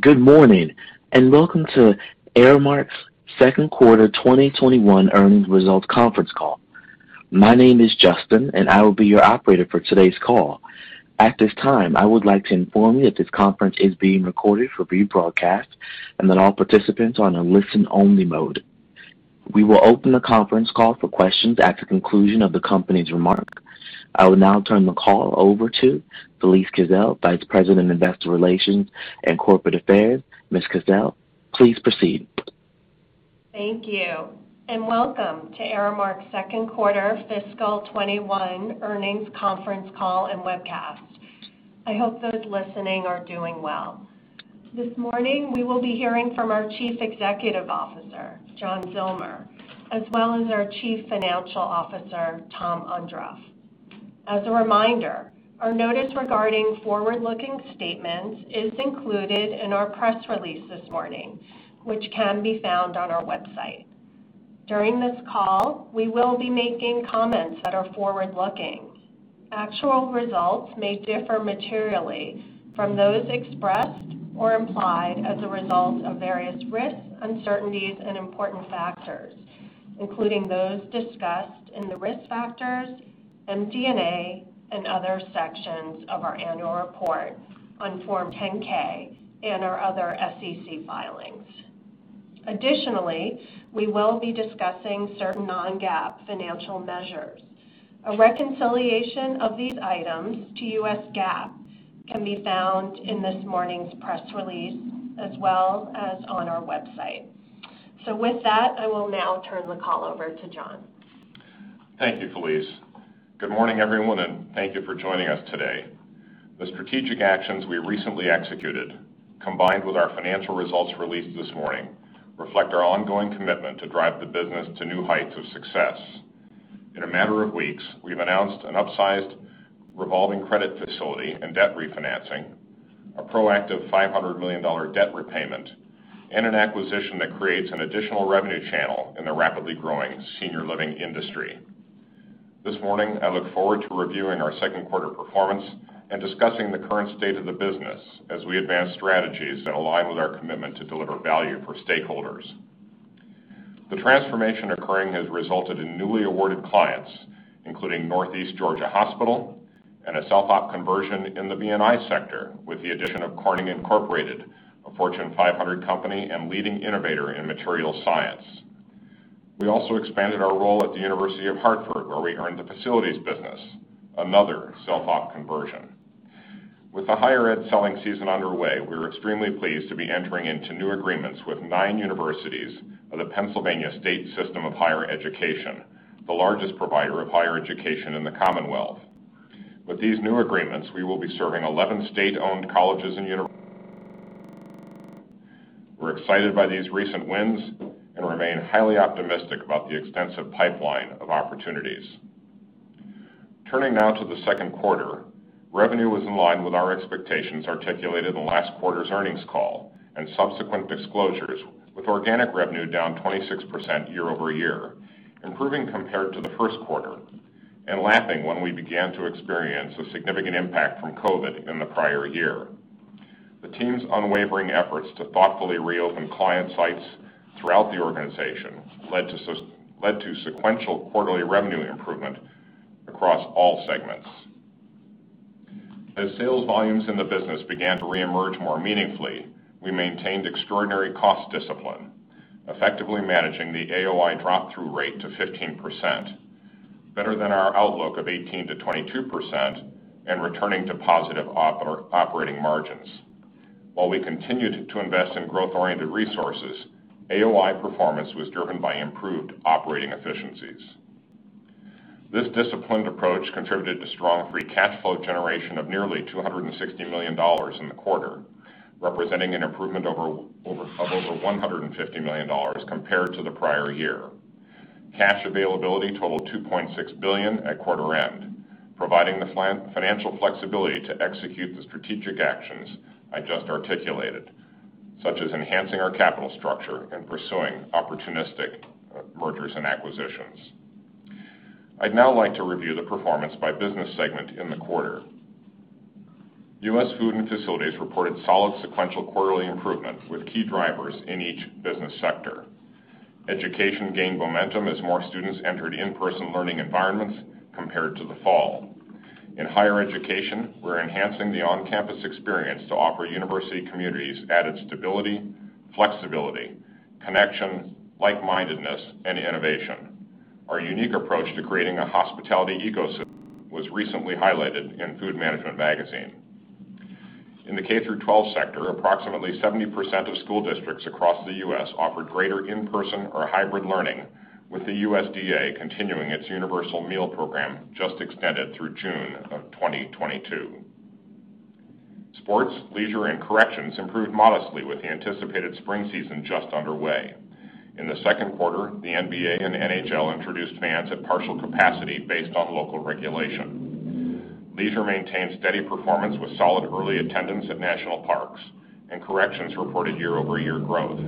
Good morning, and welcome to Aramark's second quarter 2021 earnings results conference call. My name is Justin, and I will be your operator for today's call. At this time, I would like to inform you that this conference is being recorded for rebroadcast, and that all participants are on a listen-only mode. We will open the conference call for questions at the conclusion of the company's remarks. I will now turn the call over to Felise Kissell, Vice President, Investor Relations and Corporate Affairs. Ms. Kissell, please proceed. Thank you. Welcome to Aramark's second quarter fiscal 2021 earnings conference call and webcast. I hope those listening are doing well. This morning, we will be hearing from our Chief Executive Officer, John Zillmer, as well as our Chief Financial Officer, Tom Ondrof. As a reminder, our notice regarding forward-looking statements is included in our press release this morning, which can be found on our website. During this call, we will be making comments that are forward-looking. Actual results may differ materially from those expressed or implied as a result of various risks, uncertainties, and important factors, including those discussed in the Risk Factors, MD&A, and other sections of our annual report on Form 10-K and our other SEC filings. Additionally, we will be discussing certain non-GAAP financial measures. A reconciliation of these items to US GAAP can be found in this morning's press release as well as on our website. With that, I will now turn the call over to John. Thank you, Felise. Good morning, everyone, and thank you for joining us today. The strategic actions we recently executed, combined with our financial results released this morning, reflect our ongoing commitment to drive the business to new heights of success. In a matter of weeks, we've announced an upsized revolving credit facility and debt refinancing, a proactive $500 million debt repayment, and an acquisition that creates an additional revenue channel in the rapidly growing senior living industry. This morning, I look forward to reviewing our second quarter performance and discussing the current state of the business as we advance strategies that align with our commitment to deliver value for stakeholders. The transformation occurring has resulted in newly awarded clients, including Northeast Georgia Medical Center, and a self-op conversion in the B&I sector with the addition of Corning Incorporated, a Fortune 500 company and leading innovator in material science. We also expanded our role at the University of Hartford, where we earned the facilities business, another self-op conversion. With the higher ed selling season underway, we are extremely pleased to be entering into new agreements with nine universities of the Pennsylvania State System of Higher Education, the largest provider of higher education in the Commonwealth. With these new agreements, we will be serving 11 state-owned colleges and universities. We're excited by these recent wins and remain highly optimistic about the extensive pipeline of opportunities. Turning now to the second quarter, revenue was in line with our expectations articulated in last quarter's earnings call and subsequent disclosures, with organic revenue down 26% year-over-year, improving compared to the first quarter and lapping when we began to experience a significant impact from COVID in the prior year. The team's unwavering efforts to thoughtfully reopen client sites throughout the organization led to sequential quarterly revenue improvement across all segments. As sales volumes in the business began to reemerge more meaningfully, we maintained extraordinary cost discipline, effectively managing the AOI drop-through rate to 15%, better than our outlook of 18%-22%, and returning to positive operating margins. While we continued to invest in growth-oriented resources, AOI performance was driven by improved operating efficiencies. This disciplined approach contributed to strong free cash flow generation of nearly $260 million in the quarter, representing an improvement of over $150 million compared to the prior year. Cash availability totaled $2.6 billion at quarter end, providing the financial flexibility to execute the strategic actions I just articulated, such as enhancing our capital structure and pursuing opportunistic mergers and acquisitions. I'd now like to review the performance by business segment in the quarter. U.S. Food and Facilities reported solid sequential quarterly improvement with key drivers in each business sector. Education gained momentum as more students entered in-person learning environments compared to the fall. In higher education, we're enhancing the on-campus experience to offer university communities added stability, flexibility, connection, like-mindedness, and innovation. Our unique approach to creating a hospitality ecosystem was recently highlighted in Food Management Magazine. In the K-12 sector, approximately 70% of school districts across the U.S. offered greater in-person or hybrid learning, with the USDA continuing its universal meal program, just extended through June of 2022. Sports, Leisure, and Corrections improved modestly with the anticipated spring season just underway. In the second quarter, the NBA and NHL introduced fans at partial capacity based on local regulation. Leisure maintained steady performance with solid early attendance at national parks, and Corrections reported year-over-year growth.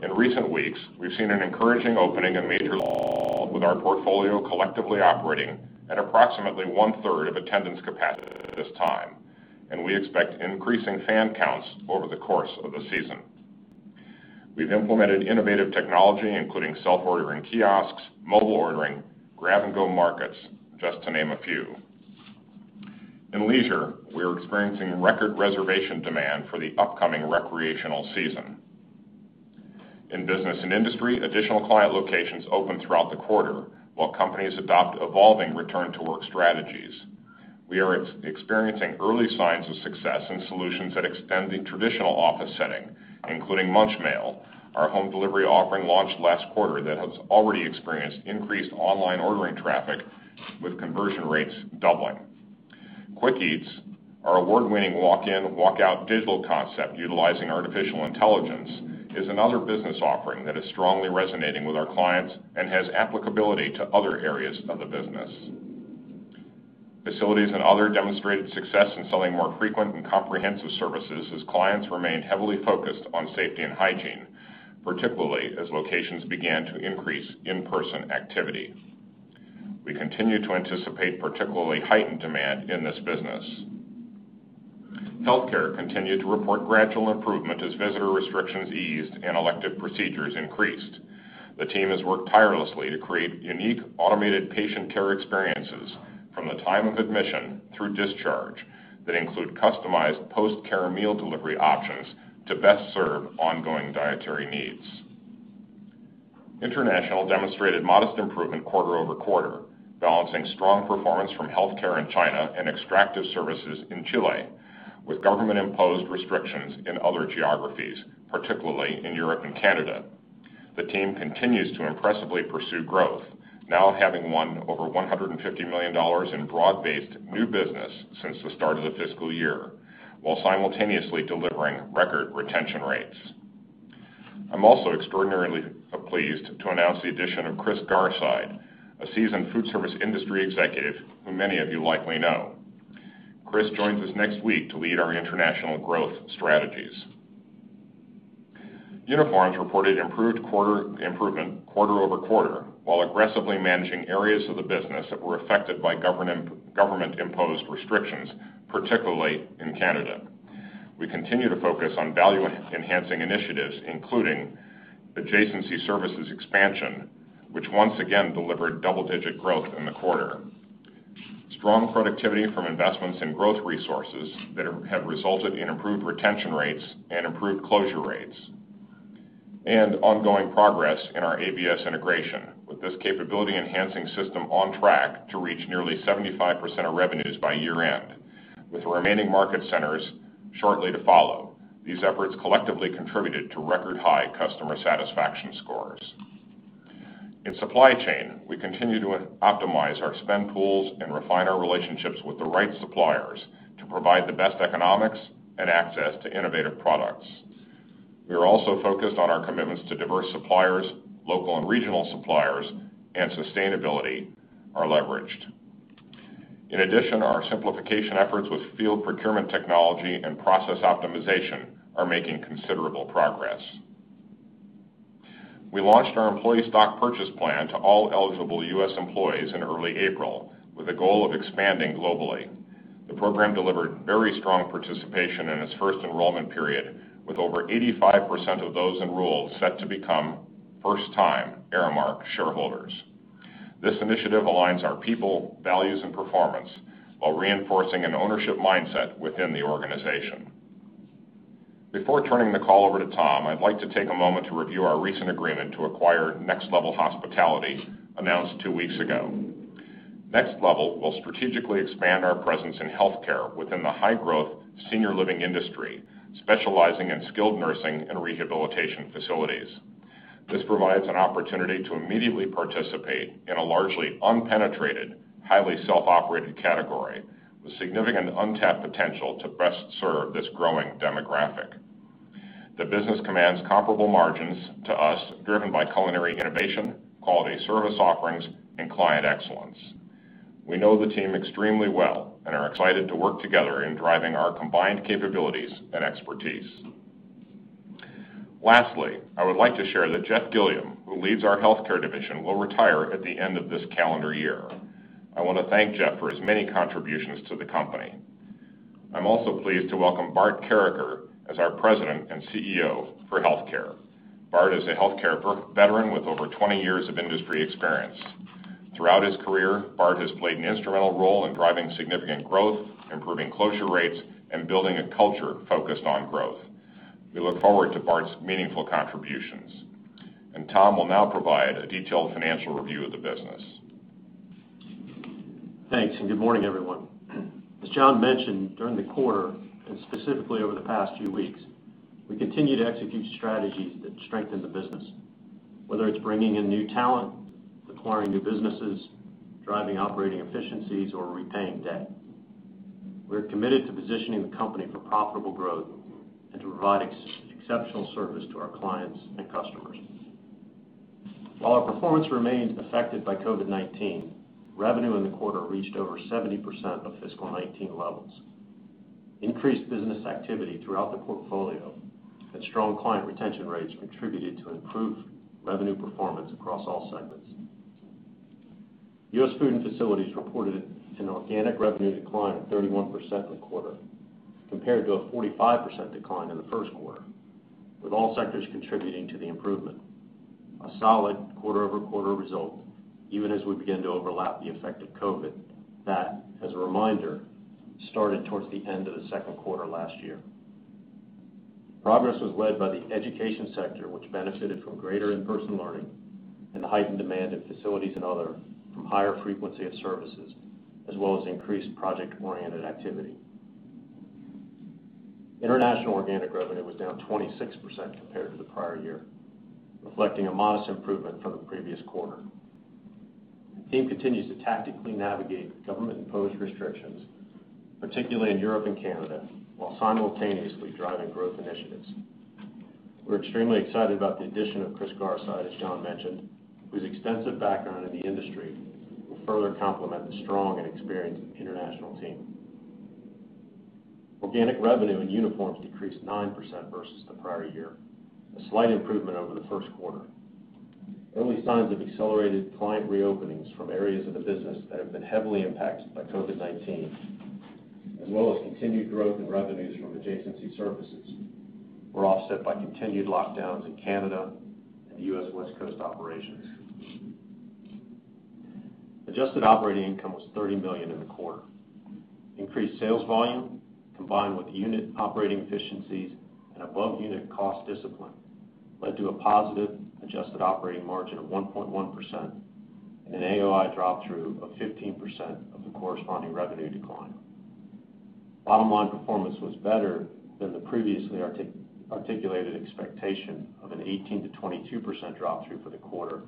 In recent weeks, we've seen an encouraging opening in major leagues with our portfolio collectively operating at approximately one-third of attendance capacity at this time, and we expect increasing fan counts over the course of the season. We've implemented innovative technology, including self-ordering kiosks, mobile ordering, grab and go markets, just to name a few. In leisure, we are experiencing record reservation demand for the upcoming recreational season. In business and industry, additional client locations opened throughout the quarter while companies adopt evolving return to work strategies. We are experiencing early signs of success in solutions that extend the traditional office setting, including Munch Mail, our home delivery offering launched last quarter that has already experienced increased online ordering traffic with conversion rates doubling. QuickEats, our award-winning walk-in, walk-out digital concept utilizing artificial intelligence, is another business offering that is strongly resonating with our clients and has applicability to other areas of the business. Facilities and other demonstrated success in selling more frequent and comprehensive services as clients remain heavily focused on safety and hygiene, particularly as locations began to increase in-person activity. We continue to anticipate particularly heightened demand in this business. Healthcare continued to report gradual improvement as visitor restrictions eased and elective procedures increased. The team has worked tirelessly to create unique automated patient care experiences from the time of admission through discharge that include customized post-care meal delivery options to best serve ongoing dietary needs. International demonstrated modest improvement quarter-over-quarter, balancing strong performance from healthcare in China and extractive services in Chile with government imposed restrictions in other geographies, particularly in Europe and Canada. The team continues to impressively pursue growth, now having won over $150 million in broad-based new business since the start of the fiscal year, while simultaneously delivering record retention rates. I'm also extraordinarily pleased to announce the addition of Chris Garside, a seasoned food service industry executive, who many of you likely know. Chris joins us next week to lead our international growth strategies. Uniforms reported improvement quarter-over-quarter while aggressively managing areas of the business that were affected by government-imposed restrictions, particularly in Canada. We continue to focus on value-enhancing initiatives, including adjacency services expansion, which once again delivered double-digit growth in the quarter. Strong productivity from investments in growth resources that have resulted in improved retention rates and improved closure rates, and ongoing progress in our ABS integration with this capability enhancing system on track to reach nearly 75% of revenues by year-end with the remaining market centers shortly to follow. These efforts collectively contributed to record high customer satisfaction scores. In supply chain, we continue to optimize our spend pools and refine our relationships with the right suppliers to provide the best economics and access to innovative products. We are also focused on our commitments to diverse suppliers, local and regional suppliers, and sustainability are leveraged. In addition, our simplification efforts with field procurement technology and process optimization are making considerable progress. We launched our employee stock purchase plan to all eligible U.S. employees in early April with a goal of expanding globally. The program delivered very strong participation in its first enrollment period with over 85% of those enrolled set to become first time Aramark shareholders. This initiative aligns our people, values, and performance while reinforcing an ownership mindset within the organization. Before turning the call over to Tom, I'd like to take a moment to review our recent agreement to acquire Next Level Hospitality announced two weeks ago. Next Level will strategically expand our presence in healthcare within the high growth senior living industry, specializing in skilled nursing and rehabilitation facilities. This provides an opportunity to immediately participate in a largely unpenetrated, highly self-operated category with significant untapped potential to best serve this growing demographic. The business commands comparable margins to us driven by culinary innovation, quality service offerings, and client excellence. We know the team extremely well and are excited to work together in driving our combined capabilities and expertise. Lastly, I would like to share that Jeff Gilliam, who leads our healthcare division, will retire at the end of this calendar year. I want to thank Jeff for his many contributions to the company. I'm also pleased to welcome Bart Kaericher as our President and CEO for healthcare. Bart is a healthcare veteran with over 20 years of industry experience. Throughout his career, Bart has played an instrumental role in driving significant growth, improving closure rates, and building a culture focused on growth. We look forward to Bart's meaningful contributions. Tom will now provide a detailed financial review of the business. Thanks, and good morning, everyone. As John mentioned, during the quarter, and specifically over the past few weeks, we continue to execute strategies that strengthen the business. Whether it's bringing in new talent, acquiring new businesses, driving operating efficiencies, or repaying debt. We're committed to positioning the company for profitable growth and to provide exceptional service to our clients and customers. While our performance remains affected by COVID-19, revenue in the quarter reached over 70% of fiscal 2019 levels. Increased business activity throughout the portfolio and strong client retention rates contributed to improved revenue performance across all segments. U.S. Food and Facilities reported an organic revenue decline of 31% in the quarter, compared to a 45% decline in the first quarter, with all sectors contributing to the improvement. A solid quarter-over-quarter result, even as we begin to overlap the effect of COVID, that, as a reminder, started towards the end of the second quarter last year. Progress was led by the education sector, which benefited from greater in-person learning and the heightened demand in facilities and other from higher frequency of services, as well as increased project-oriented activity. International organic revenue was down 26% compared to the prior year, reflecting a modest improvement from the previous quarter. The team continues to tactically navigate government-imposed restrictions, particularly in Europe and Canada, while simultaneously driving growth initiatives. We're extremely excited about the addition of Chris Garside, as John mentioned, whose extensive background in the industry will further complement the strong and experienced international team. Organic revenue in Uniforms decreased 9% versus the prior year, a slight improvement over the first quarter. Early signs of accelerated client reopenings from areas of the business that have been heavily impacted by COVID-19, as well as continued growth in revenues from adjacency services, were offset by continued lockdowns in Canada and U.S. West Coast operations. Adjusted operating income was $30 million in the quarter. Increased sales volume, combined with unit operating efficiencies and above-unit cost discipline, led to a positive adjusted operating margin of 1.1% and an AOI drop-through of 15% of the corresponding revenue decline. Bottom line performance was better than the previously articulated expectation of an 18%-22% drop-through for the quarter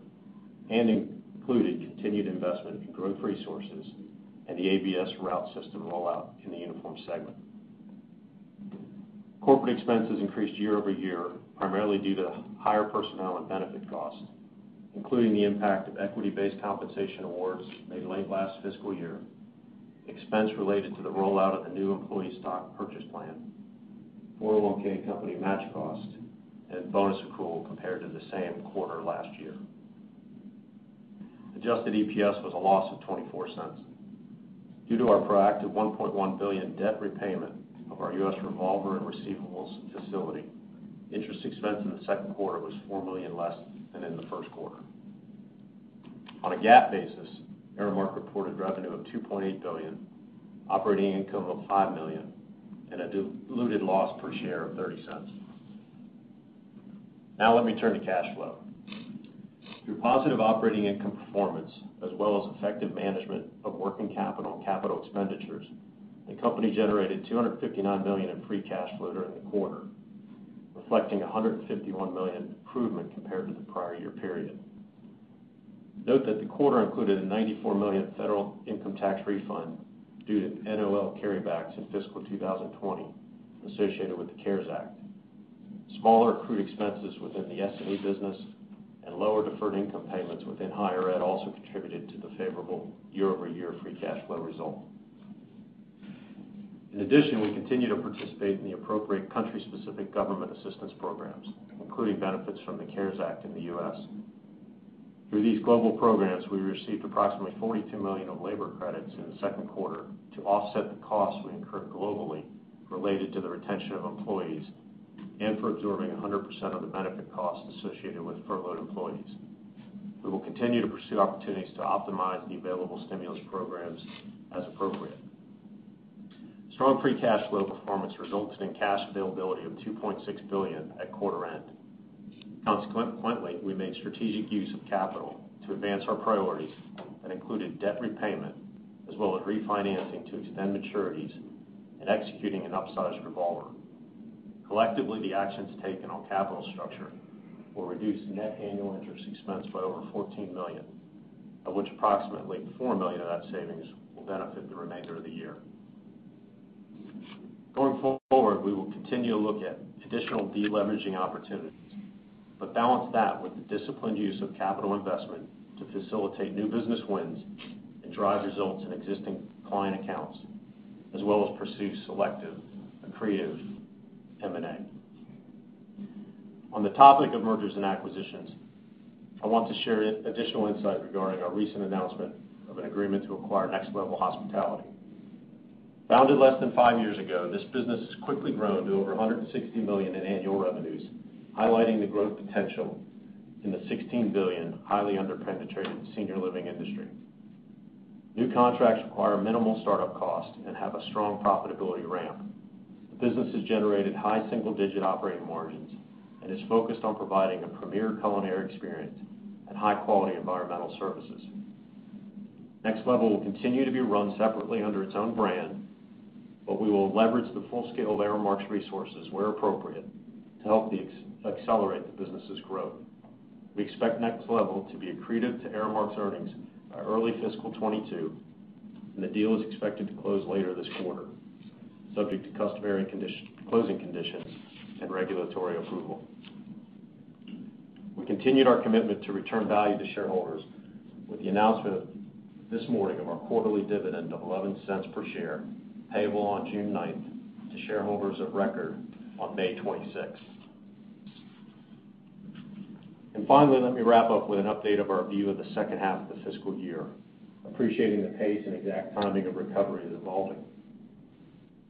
and included continued investment in growth resources and the ABS route system rollout in the Uniforms segment. Corporate expenses increased year-over-year, primarily due to higher personnel and benefit costs, including the impact of equity-based compensation awards made late last fiscal year, expense related to the rollout of the new employee stock purchase plan, 401(k) company match cost, and bonus accrual compared to the same quarter last year. Adjusted EPS was a loss of $0.24. Due to our proactive $1.1 billion debt repayment of our U.S. revolver and receivables facility, interest expense in the second quarter was $4 million less than in the first quarter. On a GAAP basis, Aramark reported revenue of $2.8 billion, operating income of $5 million, and a diluted loss per share of $0.30. Now let me turn to cash flow. Through positive operating income performance as well as effective management of working capital and capital expenditures, the company generated $259 million in free cash flow during the quarter, reflecting $151 million improvement compared to the prior year period. Note that the quarter included a $94 million federal income tax refund due to NOL carrybacks in fiscal 2020 associated with the CARES Act. Smaller accrued expenses within the SME business and lower deferred income payments within higher ed also contributed to the favorable year-over-year free cash flow result. In addition, we continue to participate in the appropriate country-specific government assistance programs, including benefits from the CARES Act in the U.S. Through these global programs, we received approximately $42 million of labor credits in the second quarter to offset the costs we incurred globally related to the retention of employees and for absorbing 100% of the benefit costs associated with furloughed employees. We will continue to pursue opportunities to optimize the available stimulus programs as appropriate. Strong free cash flow performance resulted in cash availability of $2.6 billion at quarter end. Consequently, we made strategic use of capital to advance our priorities that included debt repayment, as well as refinancing to extend maturities and executing an upsized revolver. Collectively, the actions taken on capital structure will reduce net annual interest expense by over $14 million, of which approximately $4 million of that savings will benefit the remainder of the year. Going forward, we will continue to look at additional de-leveraging opportunities, but balance that with the disciplined use of capital investment to facilitate new business wins and drive results in existing client accounts, as well as pursue selective accretive M&A. On the topic of mergers and acquisitions, I want to share additional insight regarding our recent announcement of an agreement to acquire Next Level Hospitality. Founded less than five years ago, this business has quickly grown to over $160 million in annual revenues, highlighting the growth potential in the $16 billion highly under-penetrated senior living industry. New contracts require minimal startup cost and have a strong profitability ramp. The business has generated high single-digit operating margins and is focused on providing a premier culinary experience and high-quality environmental services. Next Level will continue to be run separately under its own brand, but we will leverage the full scale of Aramark's resources where appropriate to help accelerate the business's growth. We expect Next Level to be accretive to Aramark's earnings by early fiscal 2022, and the deal is expected to close later this quarter. Subject to customary closing conditions and regulatory approval. We continued our commitment to return value to shareholders with the announcement this morning of our quarterly dividend of $0.11 per share, payable on June 9th, to shareholders of record on May 26th. Finally, let me wrap up with an update of our view of the second half of the fiscal year, appreciating the pace and exact timing of recovery is evolving.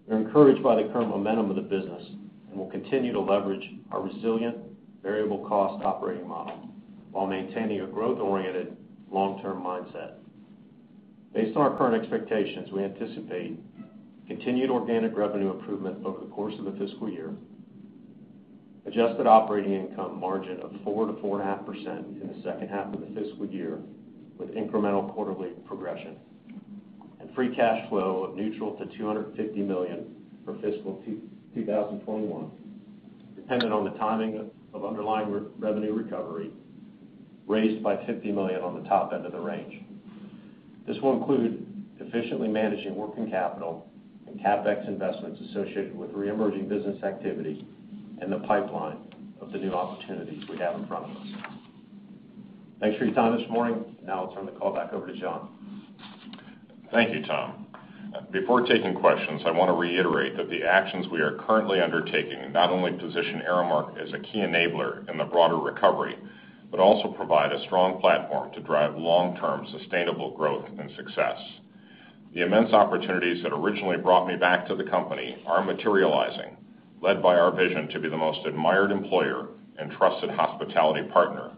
We're encouraged by the current momentum of the business and will continue to leverage our resilient variable cost operating model while maintaining a growth-oriented long-term mindset. Based on our current expectations, we anticipate continued organic revenue improvement over the course of the fiscal year, adjusted operating income margin of 4%-4.5% in the second half of the fiscal year, with incremental quarterly progression, and free cash flow of neutral to $250 million for fiscal 2021, dependent on the timing of underlying revenue recovery, raised by $50 million on the top end of the range. This will include efficiently managing working capital and CapEx investments associated with reemerging business activity and the pipeline of the new opportunities we have in front of us. Thanks for your time this morning. Now I'll turn the call back over to John. Thank you, Tom. Before taking questions, I want to reiterate that the actions we are currently undertaking not only position Aramark as a key enabler in the broader recovery, but also provide a strong platform to drive long-term sustainable growth and success. The immense opportunities that originally brought me back to the company are materializing, led by our vision to be the most admired employer and trusted hospitality partner,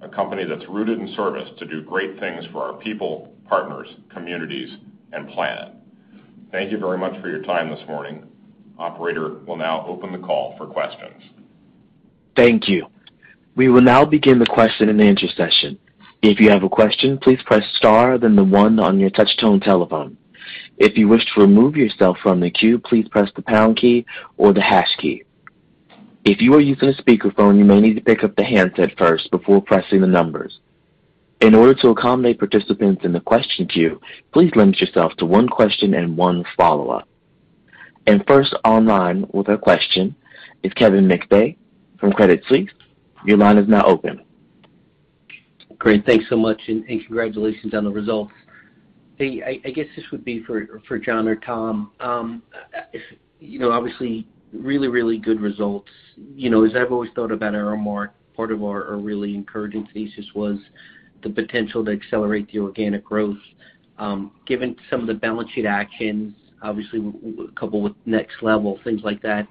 a company that's rooted in service to do great things for our people, partners, communities, and planet. Thank you very much for your time this morning. Operator will now open the call for questions. Thank you. We will now begin the question and answer session. If you have a question, please press star then the one on your touch-tone telephone. If you wish to remove yourself from the queue, please press the pound key or the hash key. If you are using a speakerphone, you may need to pick up the handset first before pressing the numbers. In order to accommodate participants in the question queue, please limit yourself to one question and one follow-up. First online with a question is Kevin McVeigh from Credit Suisse. Your line is now open. Great. Thanks so much, and congratulations on the results. I guess this would be for John or Tom. Obviously really, really good results. As I've always thought about Aramark, part of our really encouraging thesis was the potential to accelerate the organic growth. Given some of the balance sheet actions, obviously coupled with Next Level, things like that,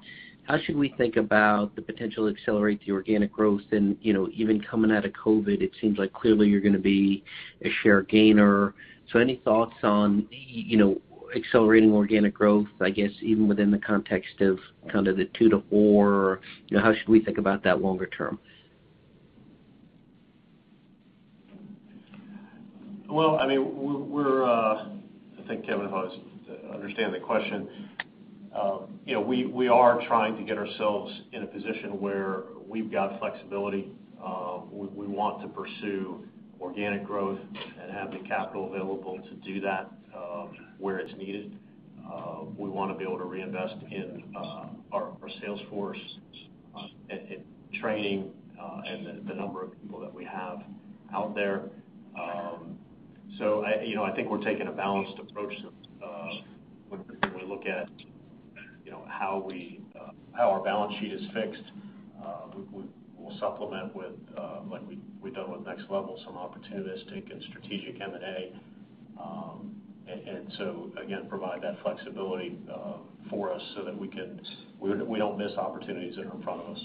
how should we think about the potential to accelerate the organic growth and, even coming out of COVID, it seems like clearly you're going to be a share gainer. Any thoughts on accelerating organic growth, I guess, even within the context of the two to four? How should we think about that longer term? Well, I think, Kevin, if I understand the question, we are trying to get ourselves in a position where we've got flexibility. We want to pursue organic growth and have the capital available to do that where it's needed. We want to be able to reinvest in our sales force, in training, and the number of people that we have out there. I think we're taking a balanced approach when we look at how our balance sheet is fixed. We'll supplement with, like we've done with Next Level, some opportunistic and strategic M&A. Again, provide that flexibility for us so that we don't miss opportunities that are in front of us.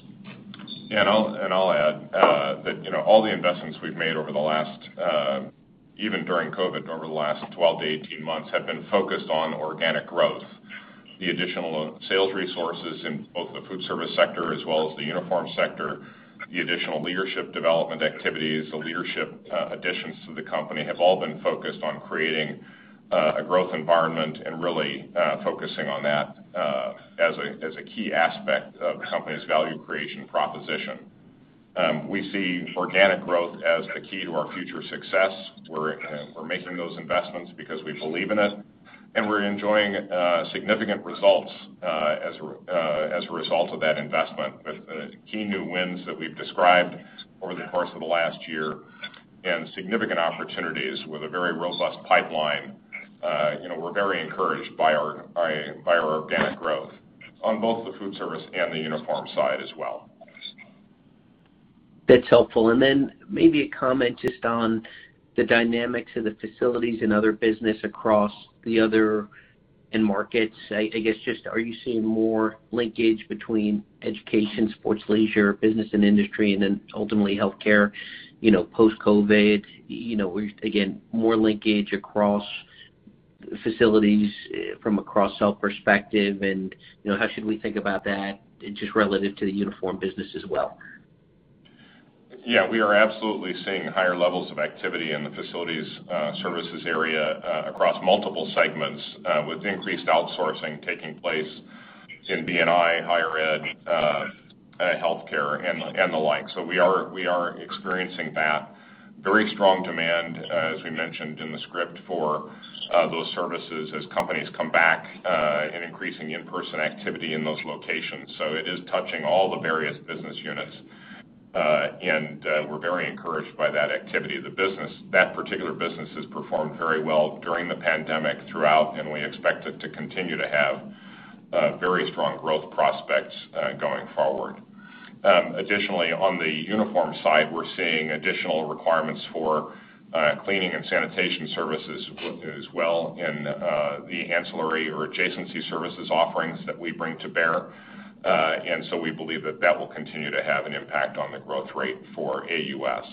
Yeah, I'll add that all the investments we've made, even during COVID, over the last 12 to 18 months have been focused on organic growth. The additional sales resources in both the food service sector as well as the uniform sector, the additional leadership development activities, the leadership additions to the company have all been focused on creating a growth environment and really focusing on that as a key aspect of the company's value creation proposition. We see organic growth as the key to our future success. We're making those investments because we believe in it, and we're enjoying significant results as a result of that investment with key new wins that we've described over the course of the last year and significant opportunities with a very robust pipeline. We're very encouraged by our organic growth on both the food service and the uniform side as well. That's helpful. Maybe a comment just on the dynamics of the facilities and other business across the other end markets. I guess, just are you seeing more linkage between education, sports, leisure, business and industry, and then ultimately healthcare post-COVID? Again, more linkage across facilities from a cross-sell perspective and how should we think about that just relative to the uniform business as well? Yeah, we are absolutely seeing higher levels of activity in the facilities services area across multiple segments with increased outsourcing taking place in B&I, higher ed, and healthcare, and the like. We are experiencing that very strong demand, as we mentioned in the script, for those services as companies come back, and increasing in-person activity in those locations. It is touching all the various business units. We're very encouraged by that activity. That particular business has performed very well during the pandemic throughout, and we expect it to continue to have very strong growth prospects going forward. Additionally, on the uniform side, we're seeing additional requirements for cleaning and sanitation services as well in the ancillary or adjacency services offerings that we bring to bear. We believe that that will continue to have an impact on the growth rate for AUS.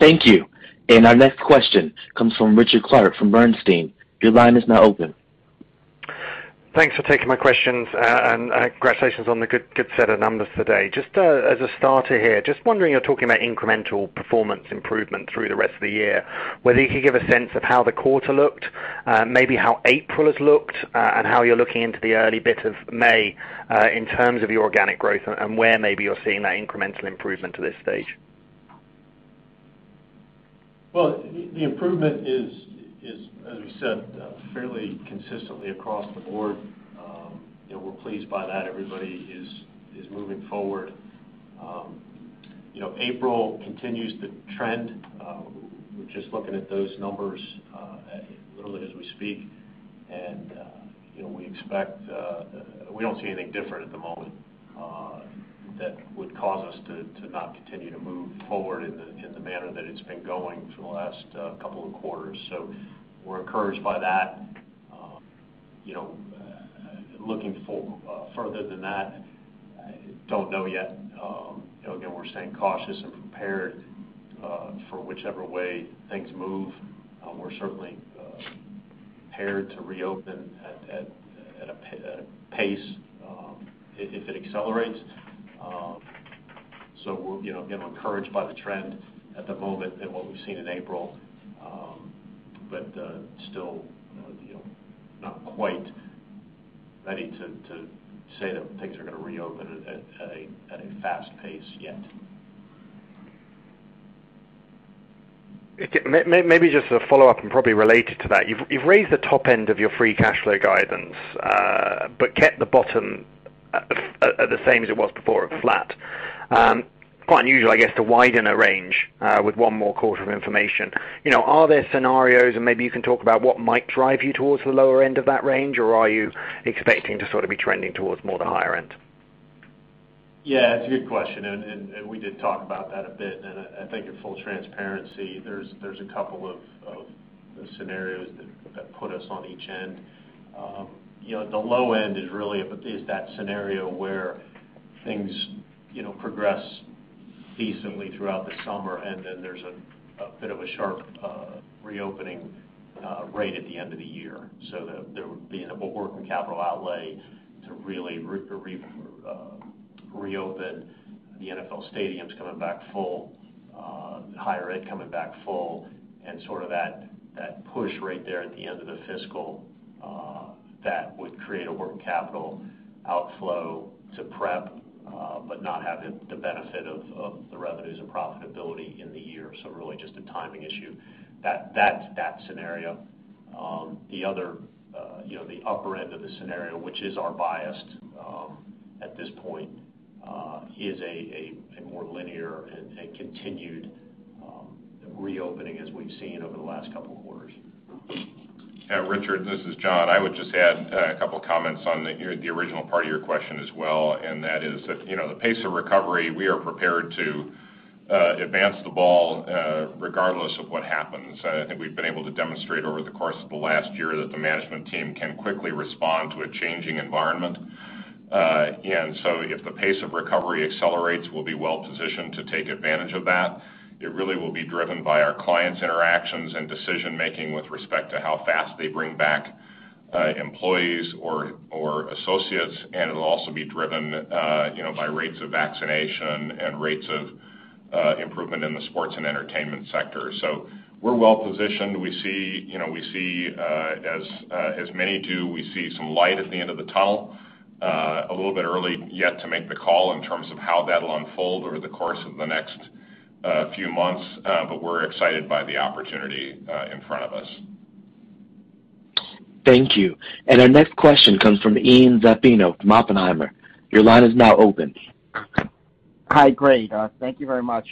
Thank you. Our next question comes from Richard Clarke from Bernstein. Your line is now open. Thanks for taking my questions, and congratulations on the good set of numbers today. Just as a starter here, just wondering, you're talking about incremental performance improvement through the rest of the year, whether you could give a sense of how the quarter looked, maybe how April has looked, and how you're looking into the early bit of May, in terms of your organic growth and where maybe you're seeing that incremental improvement to this stage. Well, the improvement is, as we said, fairly consistently across the board. We're pleased by that. Everybody is moving forward. April continues the trend. We're just looking at those numbers literally as we speak. We don't see anything different at the moment that would cause us to not continue to move forward in the manner that it's been going for the last couple of quarters. We're encouraged by that. Looking further than that, don't know yet. Again, we're staying cautious and prepared for whichever way things move. We're certainly prepared to reopen at a pace if it accelerates. We're encouraged by the trend at the moment and what we've seen in April, but still not quite ready to say that things are going to reopen at a fast pace yet. Maybe just a follow-up, and probably related to that. You've raised the top end of your free cash flow guidance, but kept the bottom the same as it was before, flat. Quite unusual, I guess, to widen a range with one more quarter of information. Are there scenarios, and maybe you can talk about what might drive you towards the lower end of that range, or are you expecting to sort of be trending towards more the higher end? Yeah. It's a good question, and we did talk about that a bit. I think in full transparency, there's a couple of scenarios that put us on each end. The low end is that scenario where things progress decently throughout the summer, and then there's a bit of a sharp reopening rate at the end of the year. There would be a working capital outlay to really reopen the NFL stadiums coming back full, higher ed coming back full, and sort of that push right there at the end of the fiscal, that would create a working capital outflow to prep, but not have the benefit of the revenues and profitability in the year. Really just a timing issue. That scenario. The upper end of the scenario, which is our bias at this point, is a more linear and continued reopening as we've seen over the last couple of quarters. Richard, this is John. I would just add a couple of comments on the original part of your question as well, and that is that the pace of recovery, we are prepared to advance the ball, regardless of what happens. I think we've been able to demonstrate over the course of the last year that the management team can quickly respond to a changing environment. If the pace of recovery accelerates, we'll be well positioned to take advantage of that. It really will be driven by our clients' interactions and decision-making with respect to how fast they bring back employees or associates, and it'll also be driven by rates of vaccination and rates of improvement in the sports and entertainment sector. We're well positioned. As many do, we see some light at the end of the tunnel. A little bit early yet to make the call in terms of how that'll unfold over the course of the next few months. We're excited by the opportunity in front of us. Thank you. Our next question comes from Ian Zaffino from Oppenheimer. Your line is now open. Hi. Great. Thank you very much.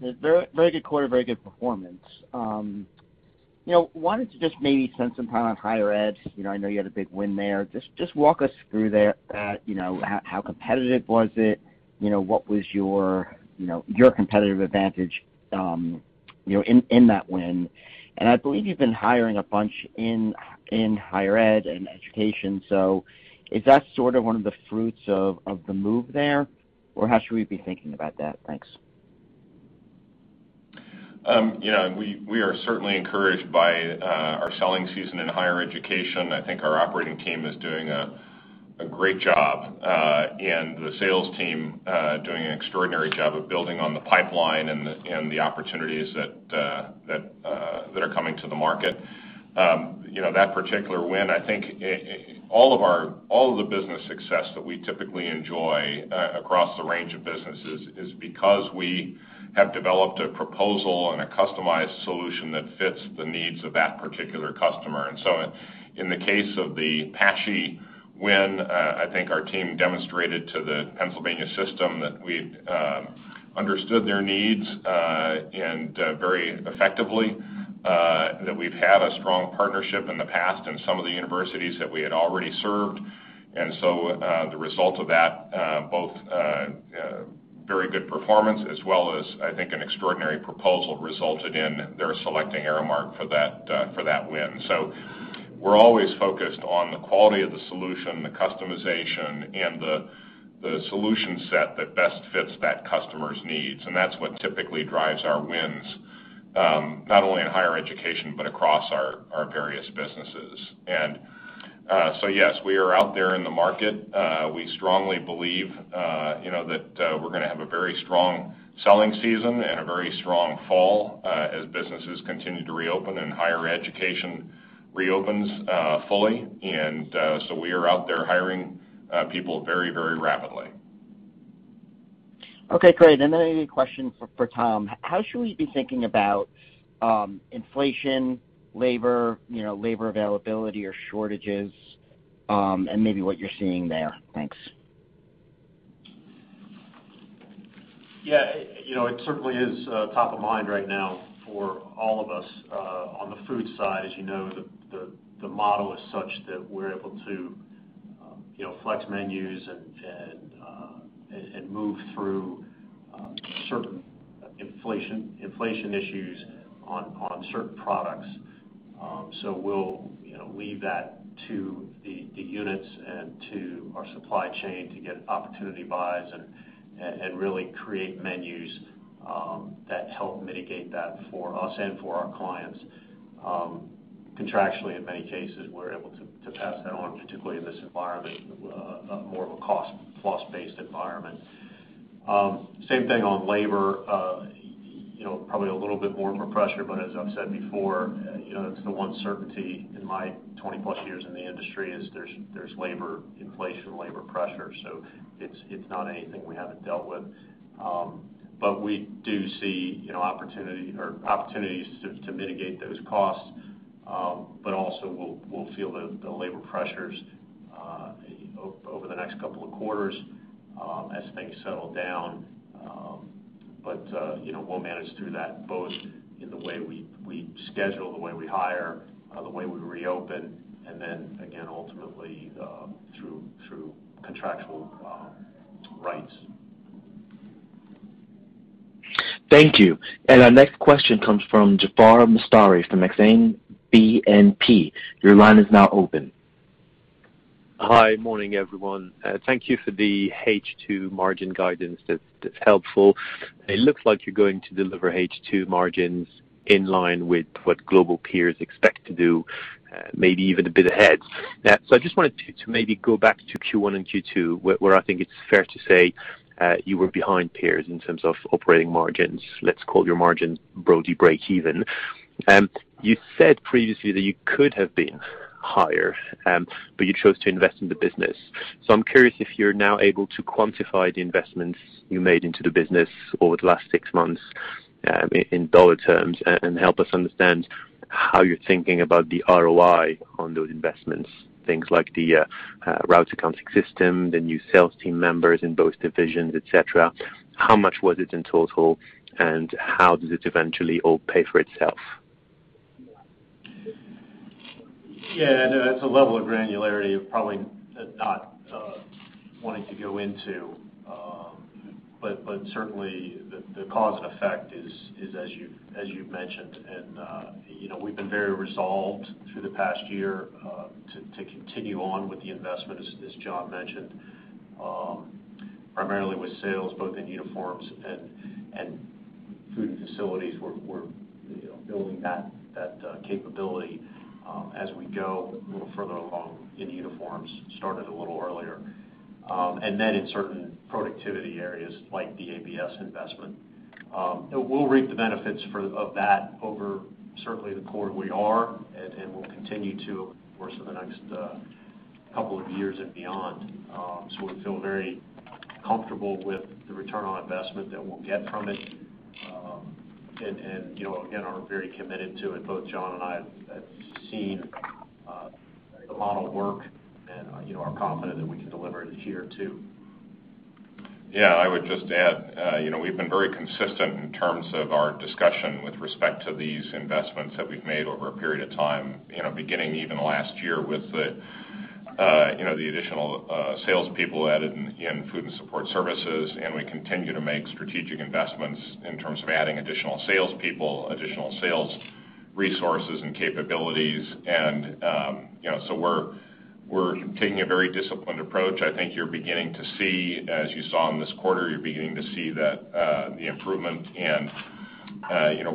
Very good quarter, very good performance. Wanted to just maybe spend some time on higher ed. I know you had a big win there. Just walk us through that. How competitive was it? What was your competitive advantage in that win? I believe you've been hiring a bunch in higher ed and education. Is that sort of one of the fruits of the move there? How should we be thinking about that? Thanks. We are certainly encouraged by our selling season in higher education. I think our operating team is doing a great job. The sales team doing an extraordinary job of building on the pipeline and the opportunities that are coming to the market. That particular win, I think all of the business success that we typically enjoy across the range of businesses is because we have developed a proposal and a customized solution that fits the needs of that particular customer. In the case of the PASSHE win, I think our team demonstrated to the Pennsylvania system that we understood their needs, and very effectively, that we've had a strong partnership in the past in some of the universities that we had already served. The result of that, both very good performance as well as, I think, an extraordinary proposal resulted in their selecting Aramark for that win. We're always focused on the quality of the solution, the customization, and the solution set that best fits that customer's needs. That's what typically drives our wins, not only in higher education, but across our various businesses. Yes, we are out there in the market. We strongly believe that we're going to have a very strong selling season and a very strong fall as businesses continue to reopen and higher education reopens fully. We are out there hiring people very rapidly. Okay, great. Then a question for Tom. How should we be thinking about inflation, labor availability or shortages, and maybe what you're seeing there? Thanks. Yeah. It certainly is top of mind right now for all of us. On the food side, as you know, the model is such that we're able to flex menus and move through certain inflation issues on certain products. We'll leave that to the units and to our supply chain to get opportunity buys and really create menus that help mitigate that for us and for our clients. Contractually, in many cases, we're able to pass that on, particularly in this environment, more of a cost-plus based environment. Same thing on labor. Probably a little bit more of a pressure, but as I've said before, it's the one certainty in my 20+ years in the industry is there's labor inflation, labor pressure. It's not anything we haven't dealt with. We do see opportunities to mitigate those costs, but also, we'll feel the labor pressures over the next couple of quarters as things settle down. We'll manage through that both in the way we schedule, the way we hire, the way we reopen, and then again, ultimately, through contractual rights. Thank you. Our next question comes from Jaafar Mestari from Exane BNP. Your line is now open. Hi. Morning, everyone. Thank you for the H2 margin guidance. That's helpful. It looks like you're going to deliver H2 margins in line with what global peers expect to do, maybe even a bit ahead. I just wanted to maybe go back to Q1 and Q2, where I think it's fair to say you were behind peers in terms of operating margins. Let's call your margins broadly breakeven. You said previously that you could have been higher, but you chose to invest in the business. I'm curious if you're now able to quantify the investments you made into the business over the last six months in dollar terms, and help us understand how you're thinking about the ROI on those investments. Things like the route accounting system, the new sales team members in both divisions, et cetera. How much was it in total, and how does it eventually all pay for itself? Yeah, that's a level of granularity of probably not wanting to go into. Certainly, the cause and effect is as you've mentioned. We've been very resolved through the past year to continue on with the investment, as John mentioned. Primarily with sales, both in uniforms and Food and Facilities. We're building that capability as we go a little further along in uniforms, started a little earlier. In certain productivity areas like the ABS investment. We'll reap the benefits of that over, certainly the quarter we are, and we'll continue to, of course, for the next couple of years and beyond. We feel very comfortable with the return on investment that we'll get from it. Again, are very committed to it. Both John and I have seen the model work and are confident that we can deliver this year, too. Yeah, I would just add we've been very consistent in terms of our discussion with respect to these investments that we've made over a period of time, beginning even last year with the additional salespeople added in food and support services. We continue to make strategic investments in terms of adding additional salespeople, additional sales resources, and capabilities. We're taking a very disciplined approach. I think you're beginning to see, as you saw in this quarter, you're beginning to see the improvement and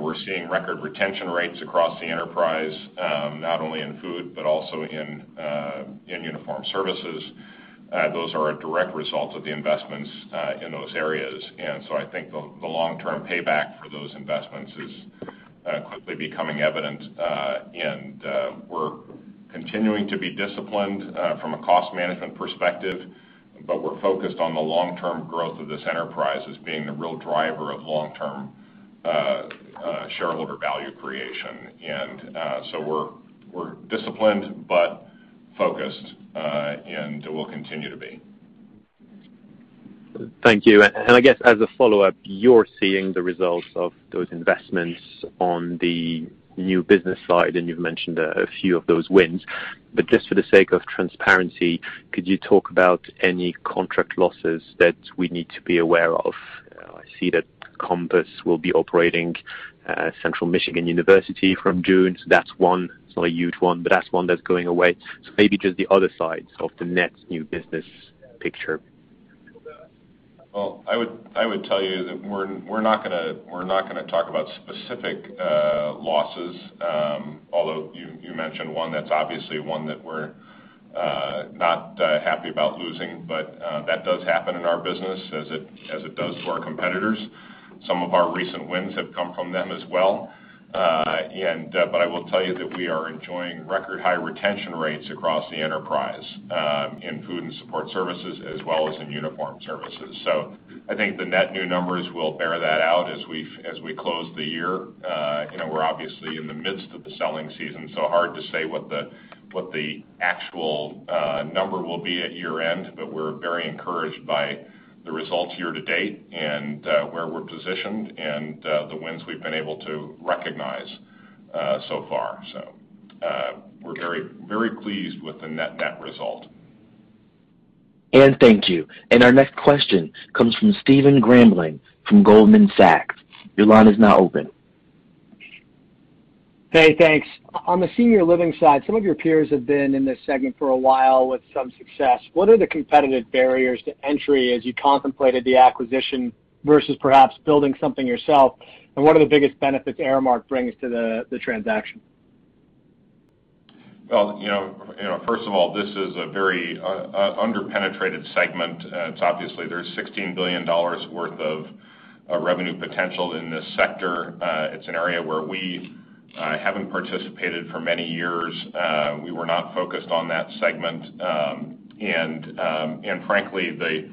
we're seeing record retention rates across the enterprise, not only in food but also in uniform services. Those are a direct result of the investments in those areas. I think the long-term payback for those investments is quickly becoming evident. We're continuing to be disciplined from a cost management perspective, but we're focused on the long-term growth of this enterprise as being the real driver of long-term shareholder value creation. We're disciplined but focused, and we'll continue to be. Thank you. I guess as a follow-up, you're seeing the results of those investments on the new business side, and you've mentioned a few of those wins. Just for the sake of transparency, could you talk about any contract losses that we need to be aware of? I see that Compass will be operating Central Michigan University from June, so that's one. It's not a huge one, but that's one that's going away. Maybe just the other side of the net new business picture. I would tell you that we're not going to talk about specific losses, although you mentioned one that's obviously one that we're not happy about losing. That does happen in our business, as it does to our competitors. Some of our recent wins have come from them as well. I will tell you that we are enjoying record high retention rates across the enterprise, in food and support services, as well as in uniform services. I think the net new numbers will bear that out as we close the year. We're obviously in the midst of the selling season, so hard to say what the actual number will be at year-end, but we're very encouraged by the results year to date and where we're positioned and the wins we've been able to recognize so far. We're very pleased with the net-net result. Thank you. Our next question comes from Stephen Grambling from Goldman Sachs. Your line is now open. Hey, thanks. On the senior living side, some of your peers have been in this segment for a while with some success. What are the competitive barriers to entry as you contemplated the acquisition versus perhaps building something yourself? What are the biggest benefits Aramark brings to the transaction? Well, first of all, this is a very under-penetrated segment. Obviously, there's $16 billion worth of revenue potential in this sector. It's an area where we haven't participated for many years. We were not focused on that segment. Frankly,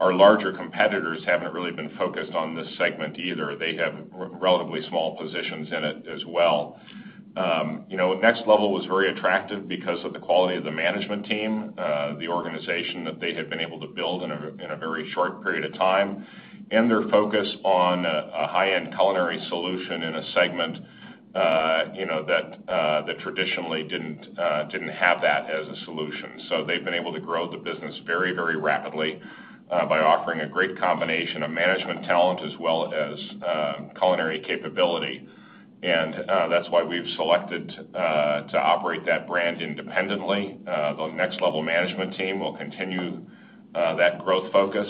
our larger competitors haven't really been focused on this segment either. They have relatively small positions in it as well. Next Level was very attractive because of the quality of the management team, the organization that they had been able to build in a very short period of time, and their focus on a high-end culinary solution in a segment that traditionally didn't have that as a solution. They've been able to grow the business very rapidly by offering a great combination of management talent as well as culinary capability. That's why we've selected to operate that brand independently. The Next Level Hospitality management team will continue that growth focus.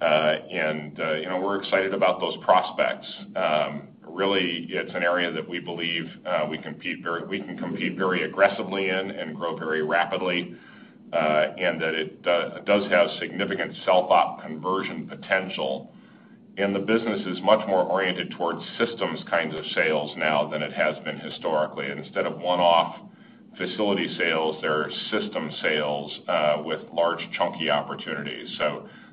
We're excited about those prospects. Really, it's an area that we believe we can compete very aggressively in and grow very rapidly, and that it does have significant self-op conversion potential. The business is much more oriented towards systems kinds of sales now than it has been historically. Instead of one-off facility sales, they're system sales with large chunky opportunities.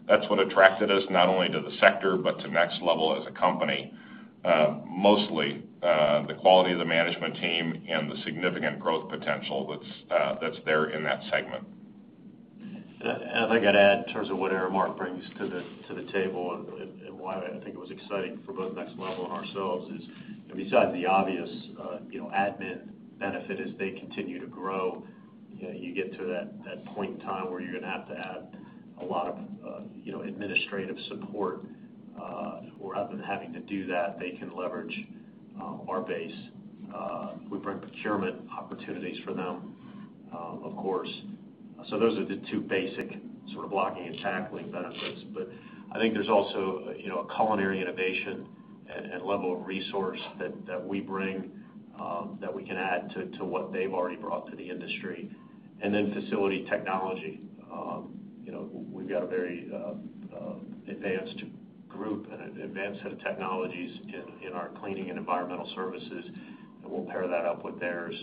That's what attracted us, not only to the sector, but to Next Level Hospitality as a company. Mostly, the quality of the management team and the significant growth potential that's there in that segment. I think I'd add in terms of what Aramark brings to the table and why I think it was exciting for both Next Level and ourselves is, besides the obvious admin benefit, as they continue to grow, you get to that point in time where you're going to have to add a lot of administrative support. Whereupon having to do that, they can leverage our base. We bring procurement opportunities for them, of course. Those are the two basic sort of blocking and tackling benefits. I think there's also a culinary innovation and level of resource that we bring that we can add to what they've already brought to the industry. Then facility technology. We've got a very advanced group and an advanced set of technologies in our cleaning and environmental services. We'll pair that up with theirs,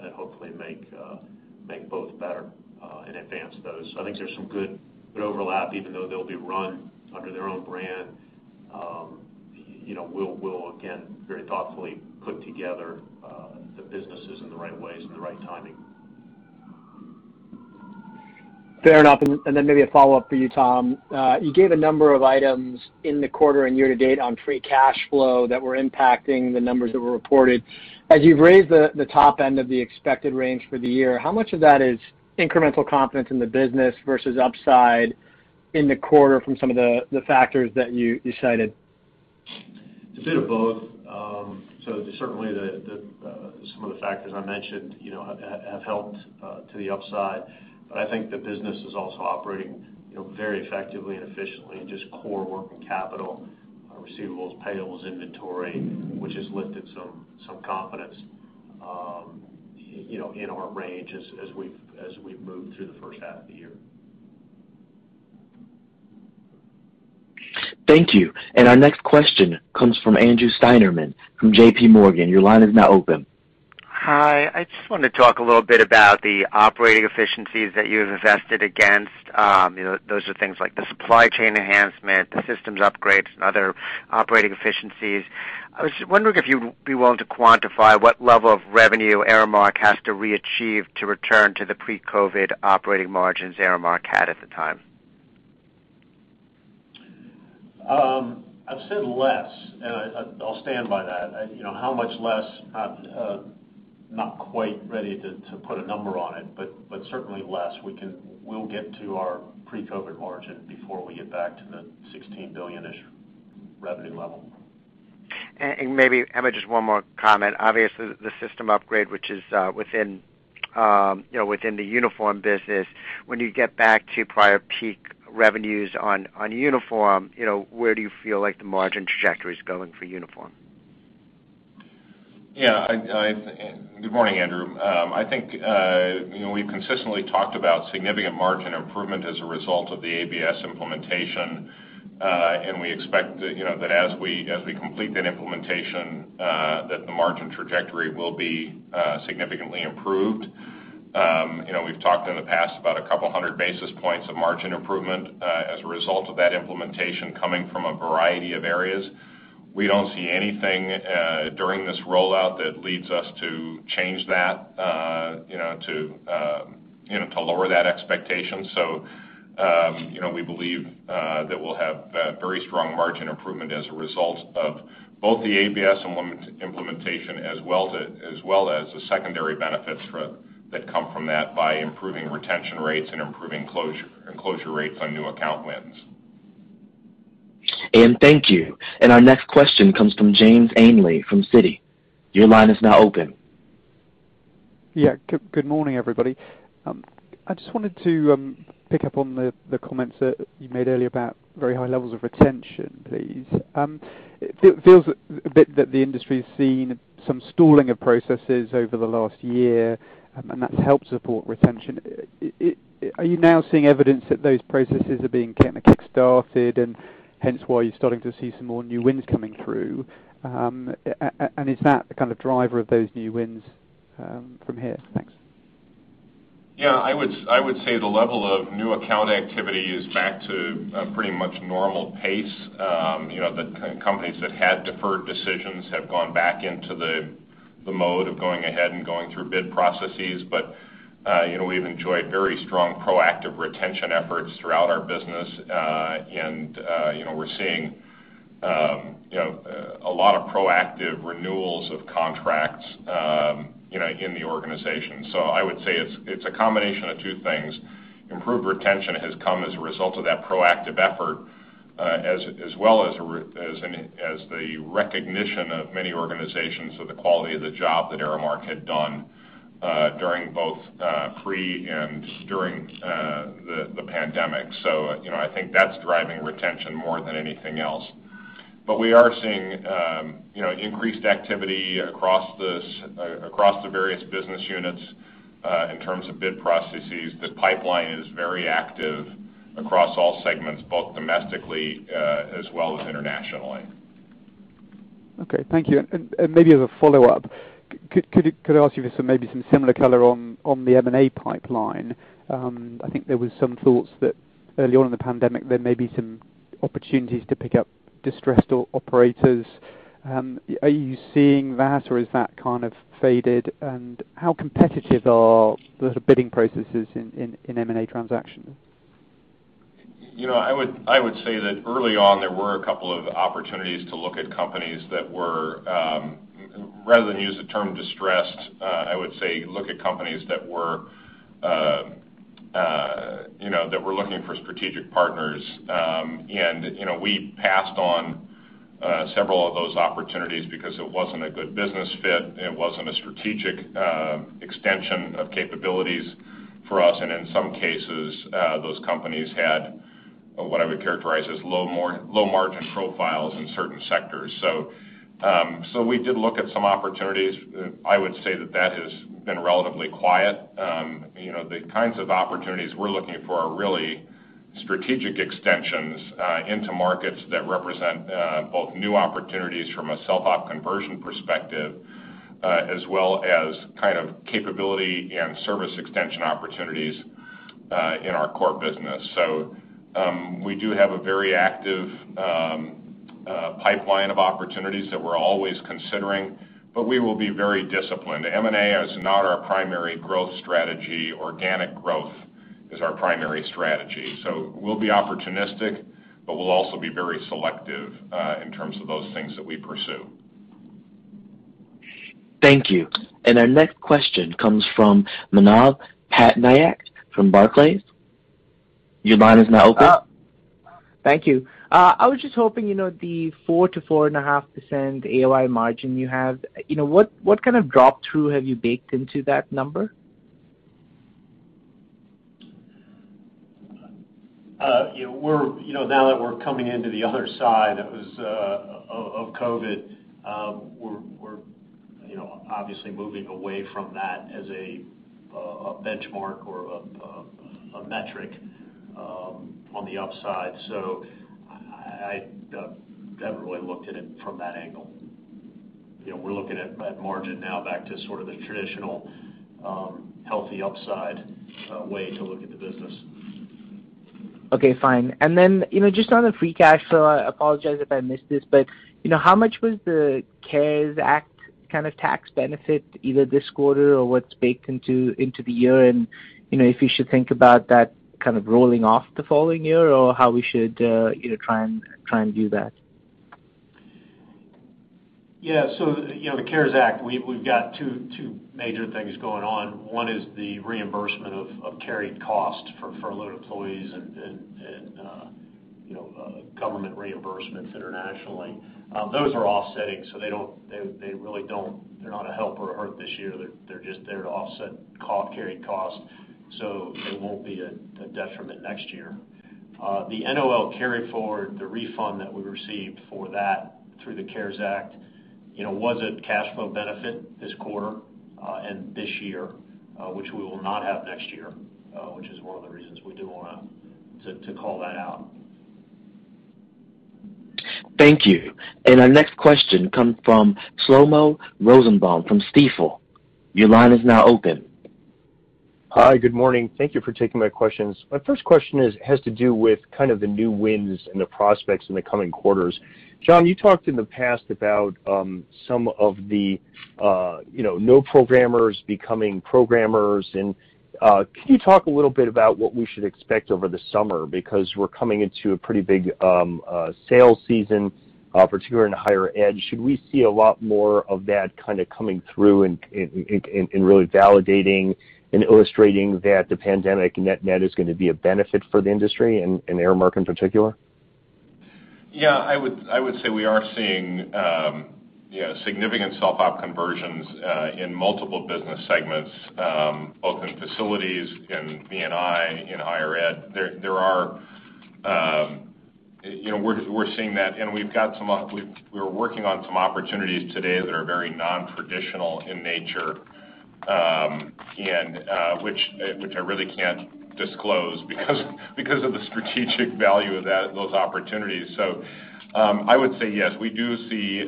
and hopefully make both better and advance those. I think there's some good overlap even though they'll be run under their own brand. We'll, again, very thoughtfully put together the businesses in the right ways and the right timing. Fair enough. Maybe a follow-up for you, Tom. You gave a number of items in the quarter and year to date on free cash flow that were impacting the numbers that were reported. As you've raised the top end of the expected range for the year, how much of that is incremental confidence in the business versus upside in the quarter from some of the factors that you cited? It's a bit of both. Certainly some of the factors I mentioned have helped to the upside. I think the business is also operating very effectively and efficiently, just core working capital, receivables, payables, inventory, which has lifted some confidence in our range as we've moved through the first half of the year. Thank you. Our next question comes from Andrew Steinerman from J.P. Morgan. Your line is now open. Hi. I just wanted to talk a little bit about the operating efficiencies that you have invested against. Those are things like the supply chain enhancement, the systems upgrades, and other operating efficiencies. I was just wondering if you'd be willing to quantify what level of revenue Aramark has to re-achieve to return to the pre-COVID operating margins Aramark had at the time. I've said less, and I'll stand by that. How much less? Not quite ready to put a number on it, but certainly less. We'll get to our pre-COVID margin before we get back to the $16 billion-ish revenue level. Maybe, Emma, just one more comment. Obviously, the system upgrade, which is within the uniform business, when you get back to prior peak revenues on uniform, where do you feel like the margin trajectory is going for uniform? Yeah. Good morning, Andrew. I think, we've consistently talked about significant margin improvement as a result of the ABS implementation. We expect that as we complete that implementation, that the margin trajectory will be significantly improved. We've talked in the past about a couple of hundred basis points of margin improvement, as a result of that implementation coming from a variety of areas. We don't see anything during this rollout that leads us to change that, to lower that expectation. We believe that we'll have very strong margin improvement as a result of both the ABS implementation as well as the secondary benefits that come from that by improving retention rates and improving closure rates on new account wins. Thank you. Our next question comes from James Ainley from Citi. Your line is now open. Good morning, everybody. I just wanted to pick up on the comments that you made earlier about very high levels of retention, please. It feels a bit that the industry has seen some stalling of processes over the last year, and that's helped support retention. Are you now seeing evidence that those processes are being kind of kick-started and hence why you're starting to see some more new wins coming through? Is that the kind of driver of those new wins from here? Thanks. Yeah, I would say the level of new account activity is back to a pretty much normal pace. The companies that had deferred decisions have gone back into the mode of going ahead and going through bid processes. We've enjoyed very strong proactive retention efforts throughout our business. We're seeing a lot of proactive renewals of contracts in the organization. I would say it's a combination of two things. Improved retention has come as a result of that proactive effort, as well as the recognition of many organizations of the quality of the job that Aramark had done during both pre and during the pandemic. I think that's driving retention more than anything else. We are seeing increased activity across the various business units, in terms of bid processes. The pipeline is very active across all segments, both domestically as well as internationally. Okay. Thank you. Maybe as a follow-up, could I ask you for maybe some similar color on the M&A pipeline? I think there was some thoughts that early on in the pandemic, there may be some opportunities to pick up distressed operators. Are you seeing that, or has that kind of faded? How competitive are the bidding processes in M&A transactions? I would say that early on, there were a couple of opportunities to look at companies that, rather than use the term distressed, I would say look at companies that were looking for strategic partners. We passed on several of those opportunities because it wasn't a good business fit, it wasn't a strategic extension of capabilities for us, and in some cases, those companies had what I would characterize as low-margin profiles in certain sectors. We did look at some opportunities. I would say that that has been relatively quiet. The kinds of opportunities we're looking for are really strategic extensions into markets that represent both new opportunities from a self-op conversion perspective, as well as kind of capability and service extension opportunities in our core business. We do have a very active pipeline of opportunities that we're always considering, but we will be very disciplined. M&A is not our primary growth strategy. Organic growth is our primary strategy. We'll be opportunistic, but we'll also be very selective in terms of those things that we pursue. Thank you. Our next question comes from Manav Patnaik from Barclays. Thank you. I was just hoping, the 4%-4.5% AOI margin you have, what kind of drop-through have you baked into that number? Now that we're coming into the other side of COVID, we're obviously moving away from that as a benchmark or a metric on the upside. I've never really looked at it from that angle. We're looking at margin now back to sort of the traditional, healthy upside way to look at the business. Okay, fine. Just on the free cash flow, I apologize if I missed this, how much was the CARES Act kind of tax benefit either this quarter or what's baked into the year and if we should think about that kind of rolling off the following year or how we should try and do that? Yeah. The CARES Act, we've got two major things going on. One is the reimbursement of carried costs for furloughed employees and government reimbursements internationally. Those are offsetting, so they're not a help or a hurt this year. They're just there to offset carried costs. They won't be a detriment next year. The NOL carry-forward, the refund that we received for that through the CARES Act, was a cash flow benefit this quarter and this year, which we will not have next year, which is one of the reasons we do want to call that out. Thank you. Our next question comes from Shlomo Rosenbaum from Stifel. Your line is now open. Hi. Good morning. Thank you for taking my questions. My first question has to do with kind of the new wins and the prospects in the coming quarters. John, you talked in the past about some of the non-programmers becoming programmers. Can you talk a little bit about what we should expect over the summer? We're coming into a pretty big sales season, particularly in higher ed. Should we see a lot more of that kind of coming through and really validating and illustrating that the pandemic net is going to be a benefit for the industry and Aramark in particular? Yeah, I would say we are seeing significant self-op conversions in multiple business segments, both in facilities, in B&I, in higher ed. We're seeing that, and we're working on some opportunities today that are very non-traditional in nature, which I really can't disclose because of the strategic value of those opportunities. I would say yes, we do see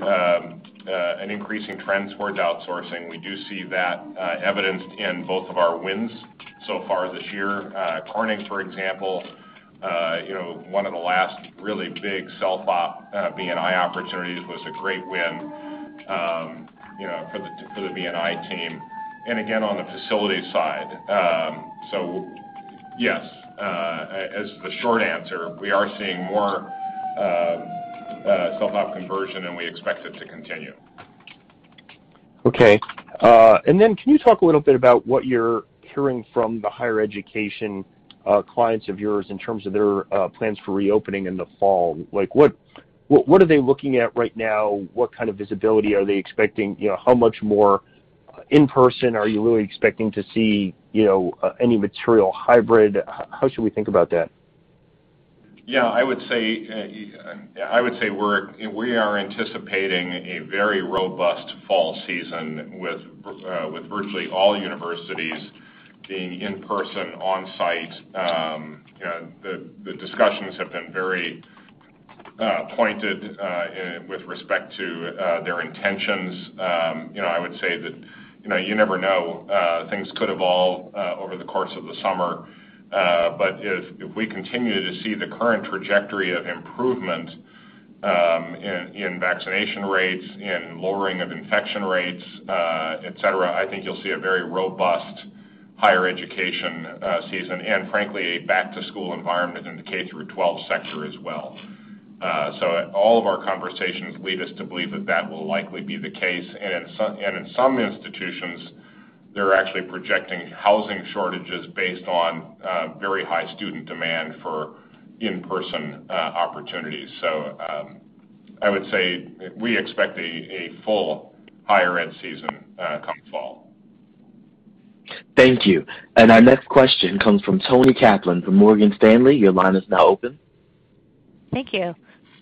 an increase in trends towards outsourcing. We do see that evidenced in both of our wins so far this year. Corning, for example, one of the last really big self-op B&I opportunities, was a great win for the B&I team. Again, on the facilities side. Yes, as the short answer, we are seeing more self-op conversion, and we expect it to continue. Okay. Can you talk a little bit about what you're hearing from the higher education clients of yours in terms of their plans for reopening in the fall? What are they looking at right now? What kind of visibility are they expecting? How much more in-person are you really expecting to see? Any material hybrid? How should we think about that? Yeah, I would say we are anticipating a very robust fall season with virtually all universities being in person, on site. The discussions have been very pointed with respect to their intentions. I would say that you never know. Things could evolve over the course of the summer. If we continue to see the current trajectory of improvement in vaccination rates, in lowering of infection rates, et cetera. I think you'll see a very robust higher education season and frankly, a back-to-school environment in the K-12 sector as well. All of our conversations lead us to believe that that will likely be the case. In some institutions, they're actually projecting housing shortages based on very high student demand for in-person opportunities. I would say we expect a full higher ed season come fall. Thank you. Our next question comes from Toni Kaplan from Morgan Stanley. Your line is now open. Thank you.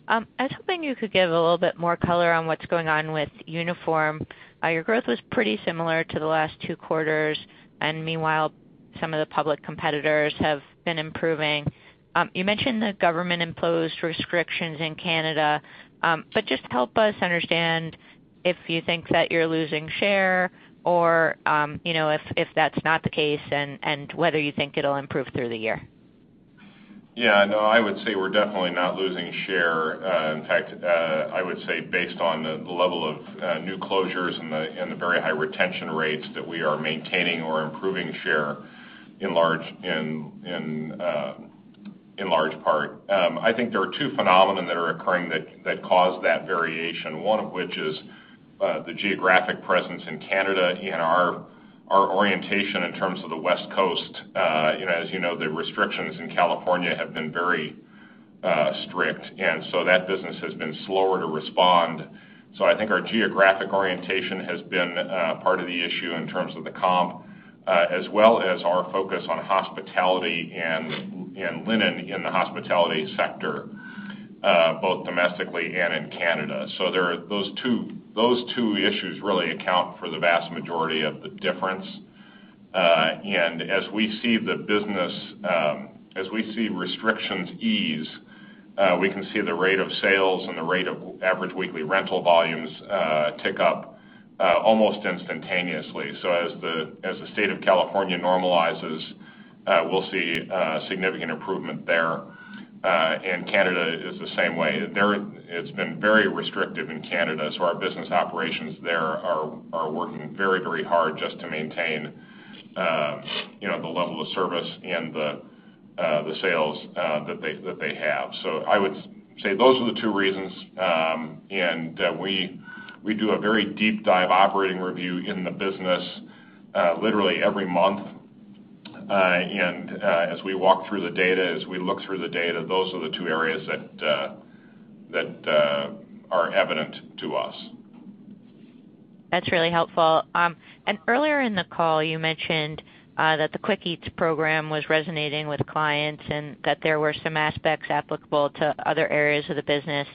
I was hoping you could give a little bit more color on what's going on with Uniform. Your growth was pretty similar to the last two quarters, and meanwhile, some of the public competitors have been improving. You mentioned the government-imposed restrictions in Canada. Just help us understand if you think that you're losing share or, if that's not the case, and whether you think it'll improve through the year. Yeah. No, I would say we're definitely not losing share. In fact, I would say based on the level of new closures and the very high retention rates that we are maintaining or improving share in large part. I think there are two phenomenon that are occurring that cause that variation, one of which is The geographic presence in Canada and our orientation in terms of the West Coast. As you know, the restrictions in California have been very strict, and so that business has been slower to respond. I think our geographic orientation has been part of the issue in terms of the comp, as well as our focus on hospitality and linen in the hospitality sector, both domestically and in Canada. Those two issues really account for the vast majority of the difference. As we see restrictions ease, we can see the rate of sales and the rate of average weekly rental volumes tick up almost instantaneously. As the state of California normalizes, we'll see a significant improvement there. Canada is the same way. It's been very restrictive in Canada, so our business operations there are working very hard just to maintain the level of service and the sales that they have. I would say those are the two reasons, and we do a very deep dive operating review in the business literally every month. As we walk through the data, as we look through the data, those are the two areas that are evident to us. That's really helpful. Earlier in the call, you mentioned that the Quick Eats program was resonating with clients and that there were some aspects applicable to other areas of the business.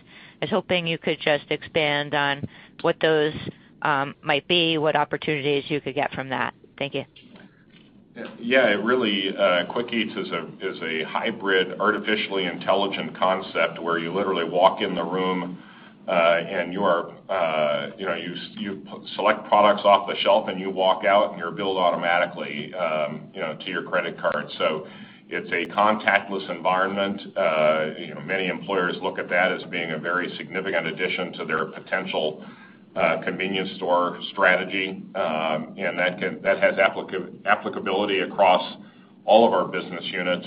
I was hoping you could just expand on what those might be, what opportunities you could get from that. Thank you. QuickEats is a hybrid artificially intelligent concept where you literally walk in the room, and you select products off the shelf, and you walk out, and you're billed automatically to your credit card. It's a contactless environment. Many employers look at that as being a very significant addition to their potential convenience store strategy. That has applicability across all of our business units.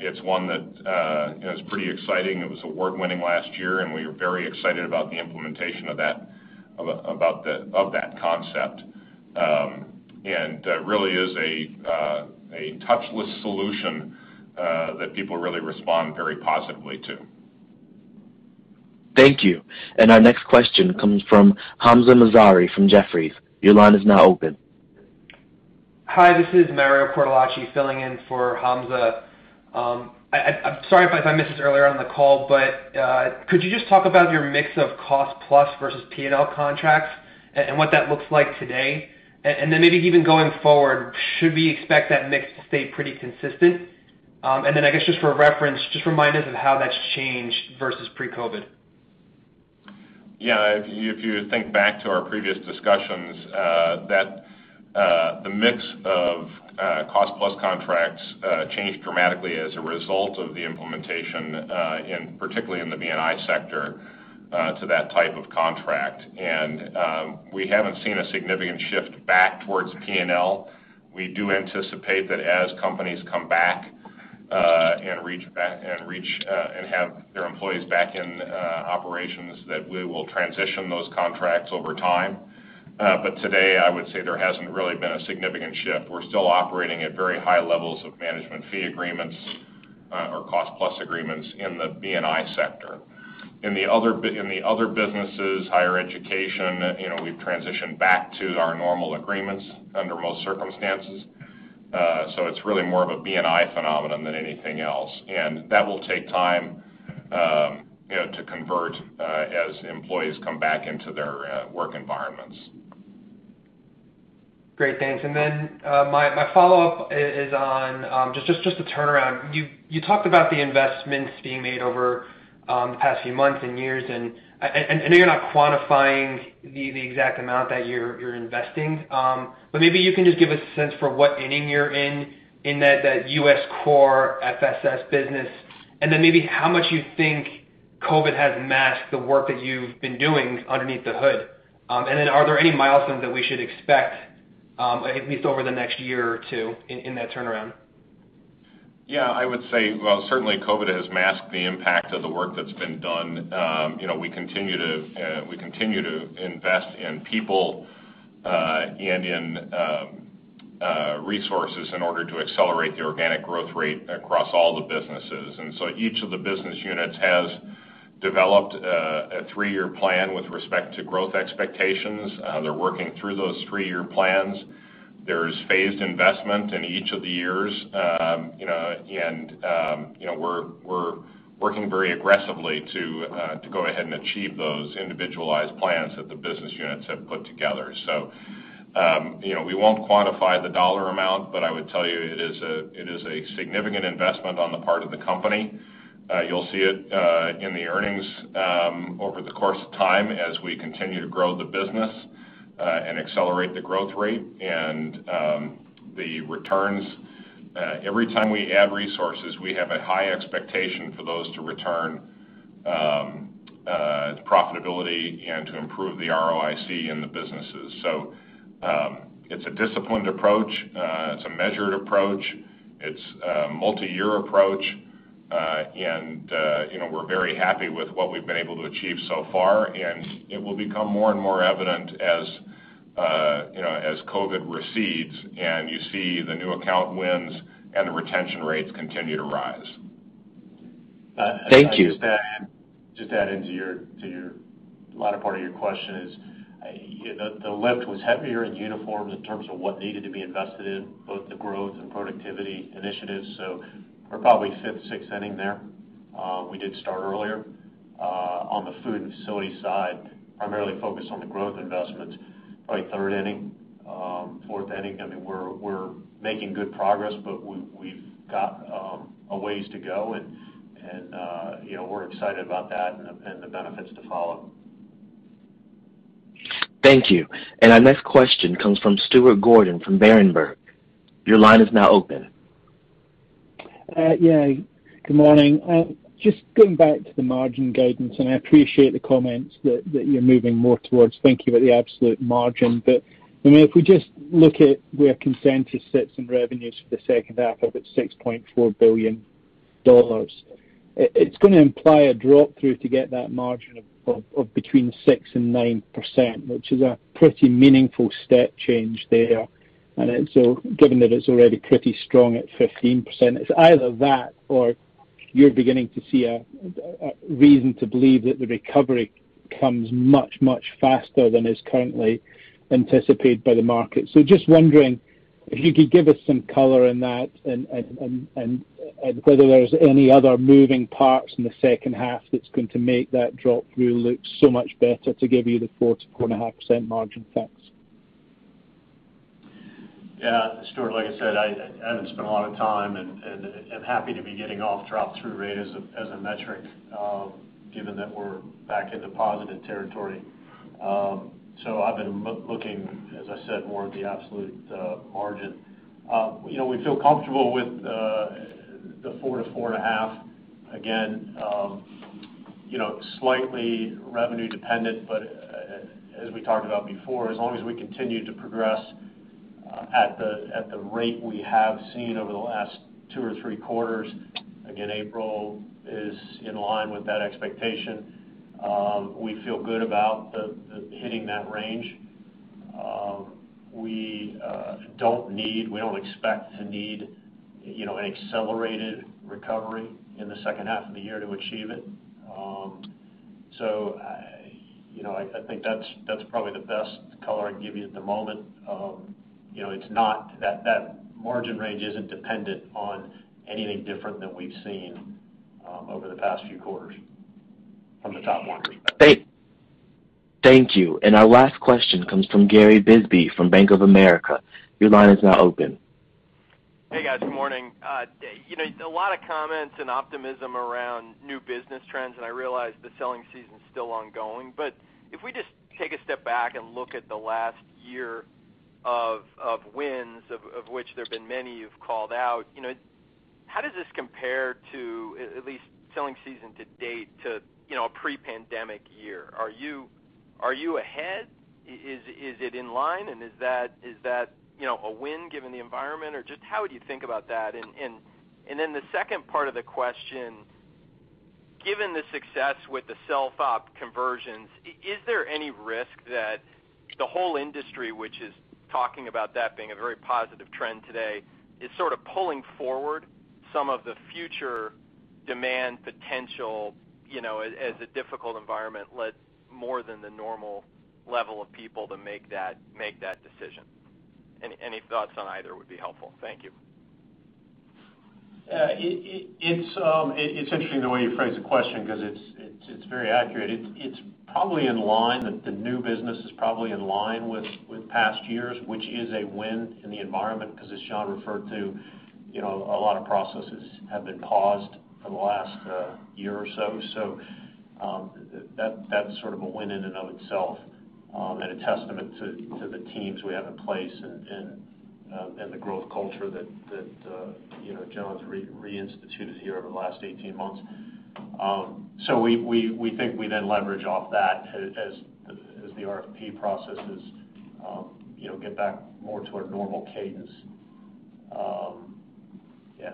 It's one that is pretty exciting. It was award-winning last year, and we are very excited about the implementation of that concept. It really is a touchless solution that people really respond very positively to. Thank you. Our next question comes from Hamzah Mazari from Jefferies. Your line is now open. Hi, this is Mario Cortellacci filling in for Hamzah Mazari. I'm sorry if I missed this earlier on the call, but could you just talk about your mix of cost plus versus P&L contracts and what that looks like today? Then maybe even going forward, should we expect that mix to stay pretty consistent? Then, I guess, just for reference, just remind us of how that's changed versus pre-COVID. If you think back to our previous discussions, the mix of cost-plus contracts changed dramatically as a result of the implementation, particularly in the B&I sector, to that type of contract. We haven't seen a significant shift back towards P&L. We do anticipate that as companies come back and have their employees back in operations, that we will transition those contracts over time. Today, I would say there hasn't really been a significant shift. We're still operating at very high levels of management fee agreements or cost-plus agreements in the B&I sector. In the other businesses, higher education, we've transitioned back to our normal agreements under most circumstances. It's really more of a B&I phenomenon than anything else. That will take time to convert as employees come back into their work environments. Great. Thanks. Then my follow-up is on just the turnaround. You talked about the investments being made over the past few months and years, and I know you're not quantifying the exact amount that you're investing, but maybe you can just give us a sense for what inning you're in in that U.S. core FSS business, and then maybe how much you think COVID has masked the work that you've been doing underneath the hood. Then are there any milestones that we should expect, at least over the next year or two, in that turnaround? Yeah, I would say, well, certainly COVID has masked the impact of the work that's been done. We continue to invest in people and in resources in order to accelerate the organic growth rate across all the businesses. Each of the business units has developed a three-year plan with respect to growth expectations. They're working through those three-year plans. There's phased investment in each of the years. We're working very aggressively to go ahead and achieve those individualized plans that the business units have put together. We won't quantify the dollar amount, but I would tell you it is a significant investment on the part of the company. You'll see it in the earnings over the course of time as we continue to grow the business and accelerate the growth rate and the returns. Every time we add resources, we have a high expectation for those to return profitability and to improve the ROIC in the businesses. It's a disciplined approach. It's a measured approach. It's a multi-year approach. We're very happy with what we've been able to achieve so far, and it will become more and more evident as COVID recedes, and you see the new account wins, and the retention rates continue to rise. Thank you. Just to add into the latter part of your question is, the lift was heavier in uniforms in terms of what needed to be invested in, both the growth and productivity initiatives. We're probably fifth, sixth inning there. We did start earlier. On the food and facility side, primarily focused on the growth investments, probably third inning, fourth inning. We're making good progress, we've got a ways to go and we're excited about that and the benefits to follow. Thank you. Our next question comes from Stuart Gordon from Berenberg. Good morning. Just going back to the margin guidance, I appreciate the comments that you're moving more towards thinking about the absolute margin. If we just look at where consensus sits in revenues for the second half of its $6.4 billion, it's going to imply a drop through to get that margin of between 6% and 9%, which is a pretty meaningful step change there. Given that it's already pretty strong at 15%, it's either that or you're beginning to see a reason to believe that the recovery comes much, much faster than is currently anticipated by the market. Just wondering if you could give us some color on that and whether there's any other moving parts in the second half that's going to make that drop through look so much better to give you the 4%-4.5% margin. Thanks. Stuart, like I said, I haven't spent a lot of time and am happy to be getting off drop-through rate as a metric, given that we're back into positive territory. I've been looking, as I said, more at the absolute margin. We feel comfortable with the 4%-4.5%. Again, slightly revenue dependent, but as we talked about before, as long as we continue to progress at the rate we have seen over the last two or three quarters, again, April is in line with that expectation. We feel good about hitting that range. We don't expect to need an accelerated recovery in the second half of the year to achieve it. I think that's probably the best color I can give you at the moment. That margin range isn't dependent on anything different than we've seen over the past few quarters from the top line perspective. Thank you. Our last question comes from Gary Bisbee from Bank of America. Your line is now open. Hey, guys. Good morning. A lot of comments and optimism around new business trends, I realize the selling season's still ongoing. If we just take a step back and look at the last year of wins, of which there have been many you've called out, how does this compare to, at least selling season to date to, a pre-pandemic year? Are you ahead? Is it in line? Is that a win given the environment, or just how would you think about that? Then the second part of the question, given the success with the self-op conversions, is there any risk that the whole industry, which is talking about that being a very positive trend today, is sort of pulling forward some of the future demand potential, as a difficult environment led more than the normal level of people to make that decision? Any thoughts on either would be helpful. Thank you. It's interesting the way you phrase the question because it's very accurate. The new business is probably in line with past years, which is a win in the environment because as John referred to, a lot of processes have been paused for the last year or so. That's sort of a win in and of itself, and a testament to the teams we have in place and the growth culture that John's reinstituted here over the last 18 months. We think we then leverage off that as the RFP processes get back more to a normal cadence. Yeah.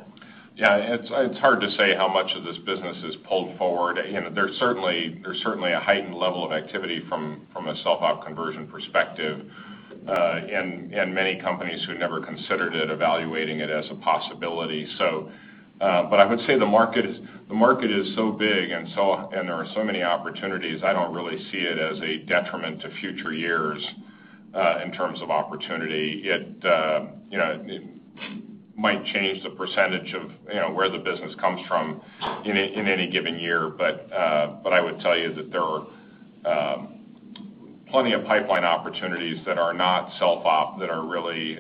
Yeah, it's hard to say how much of this business is pulled forward. There's certainly a heightened level of activity from a self-op conversion perspective, and many companies who never considered it are evaluating it as a possibility. I would say the market is so big and there are so many opportunities, I don't really see it as a detriment to future years in terms of opportunity. It might change the percentage of where the business comes from in any given year. I would tell you that there are plenty of pipeline opportunities that are not self-op, that are really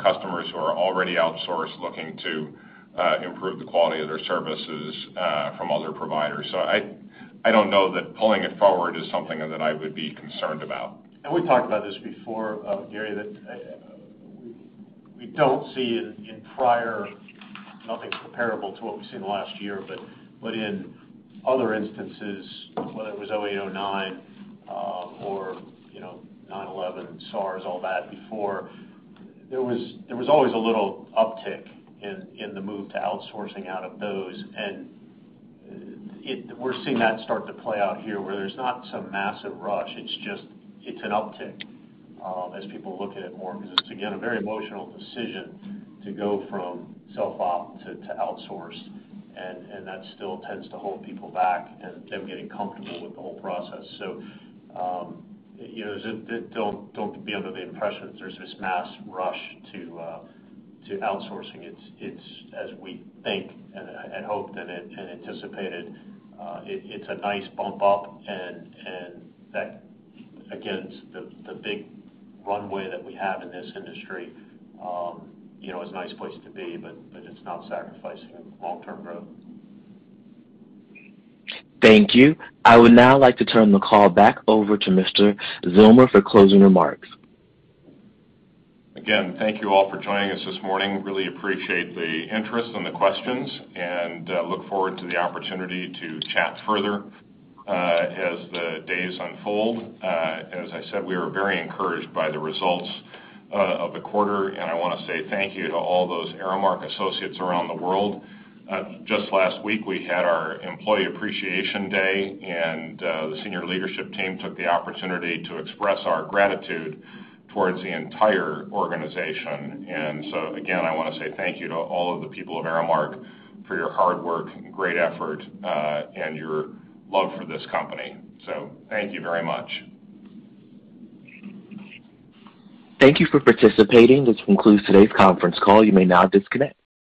customers who are already outsourced, looking to improve the quality of their services from other providers. I don't know that pulling it forward is something that I would be concerned about. We talked about this before, Gary, that we don't see in prior, nothing comparable to what we've seen in the last year, but in other instances, whether it was '08, '09, or 9/11, SARS, all that before, there was always a little uptick in the move to outsourcing out of those. We're seeing that start to play out here where there's not some massive rush, it's an uptick as people look at it more because it's, again, a very emotional decision to go from self-op to outsource. And that still tends to hold people back and them getting comfortable with the whole process. So don't be under the impression that there's this mass rush to outsourcing. It's as we think and hope and anticipated, it's a nice bump up, and that, again, the big runway that we have in this industry is a nice place to be, but it's not sacrificing long-term growth. Thank you. I would now like to turn the call back over to Mr. Zillmer for closing remarks. Again, thank you all for joining us this morning. Really appreciate the interest and the questions, and look forward to the opportunity to chat further as the days unfold. As I said, we are very encouraged by the results of the quarter, and I want to say thank you to all those Aramark associates around the world. Just last week, we had our employee appreciation day, and the senior leadership team took the opportunity to express our gratitude towards the entire organization. Again, I want to say thank you to all of the people of Aramark for your hard work and great effort, and your love for this company. Thank you very much. Thank you for participating. This concludes today's conference call. You may now disconnect.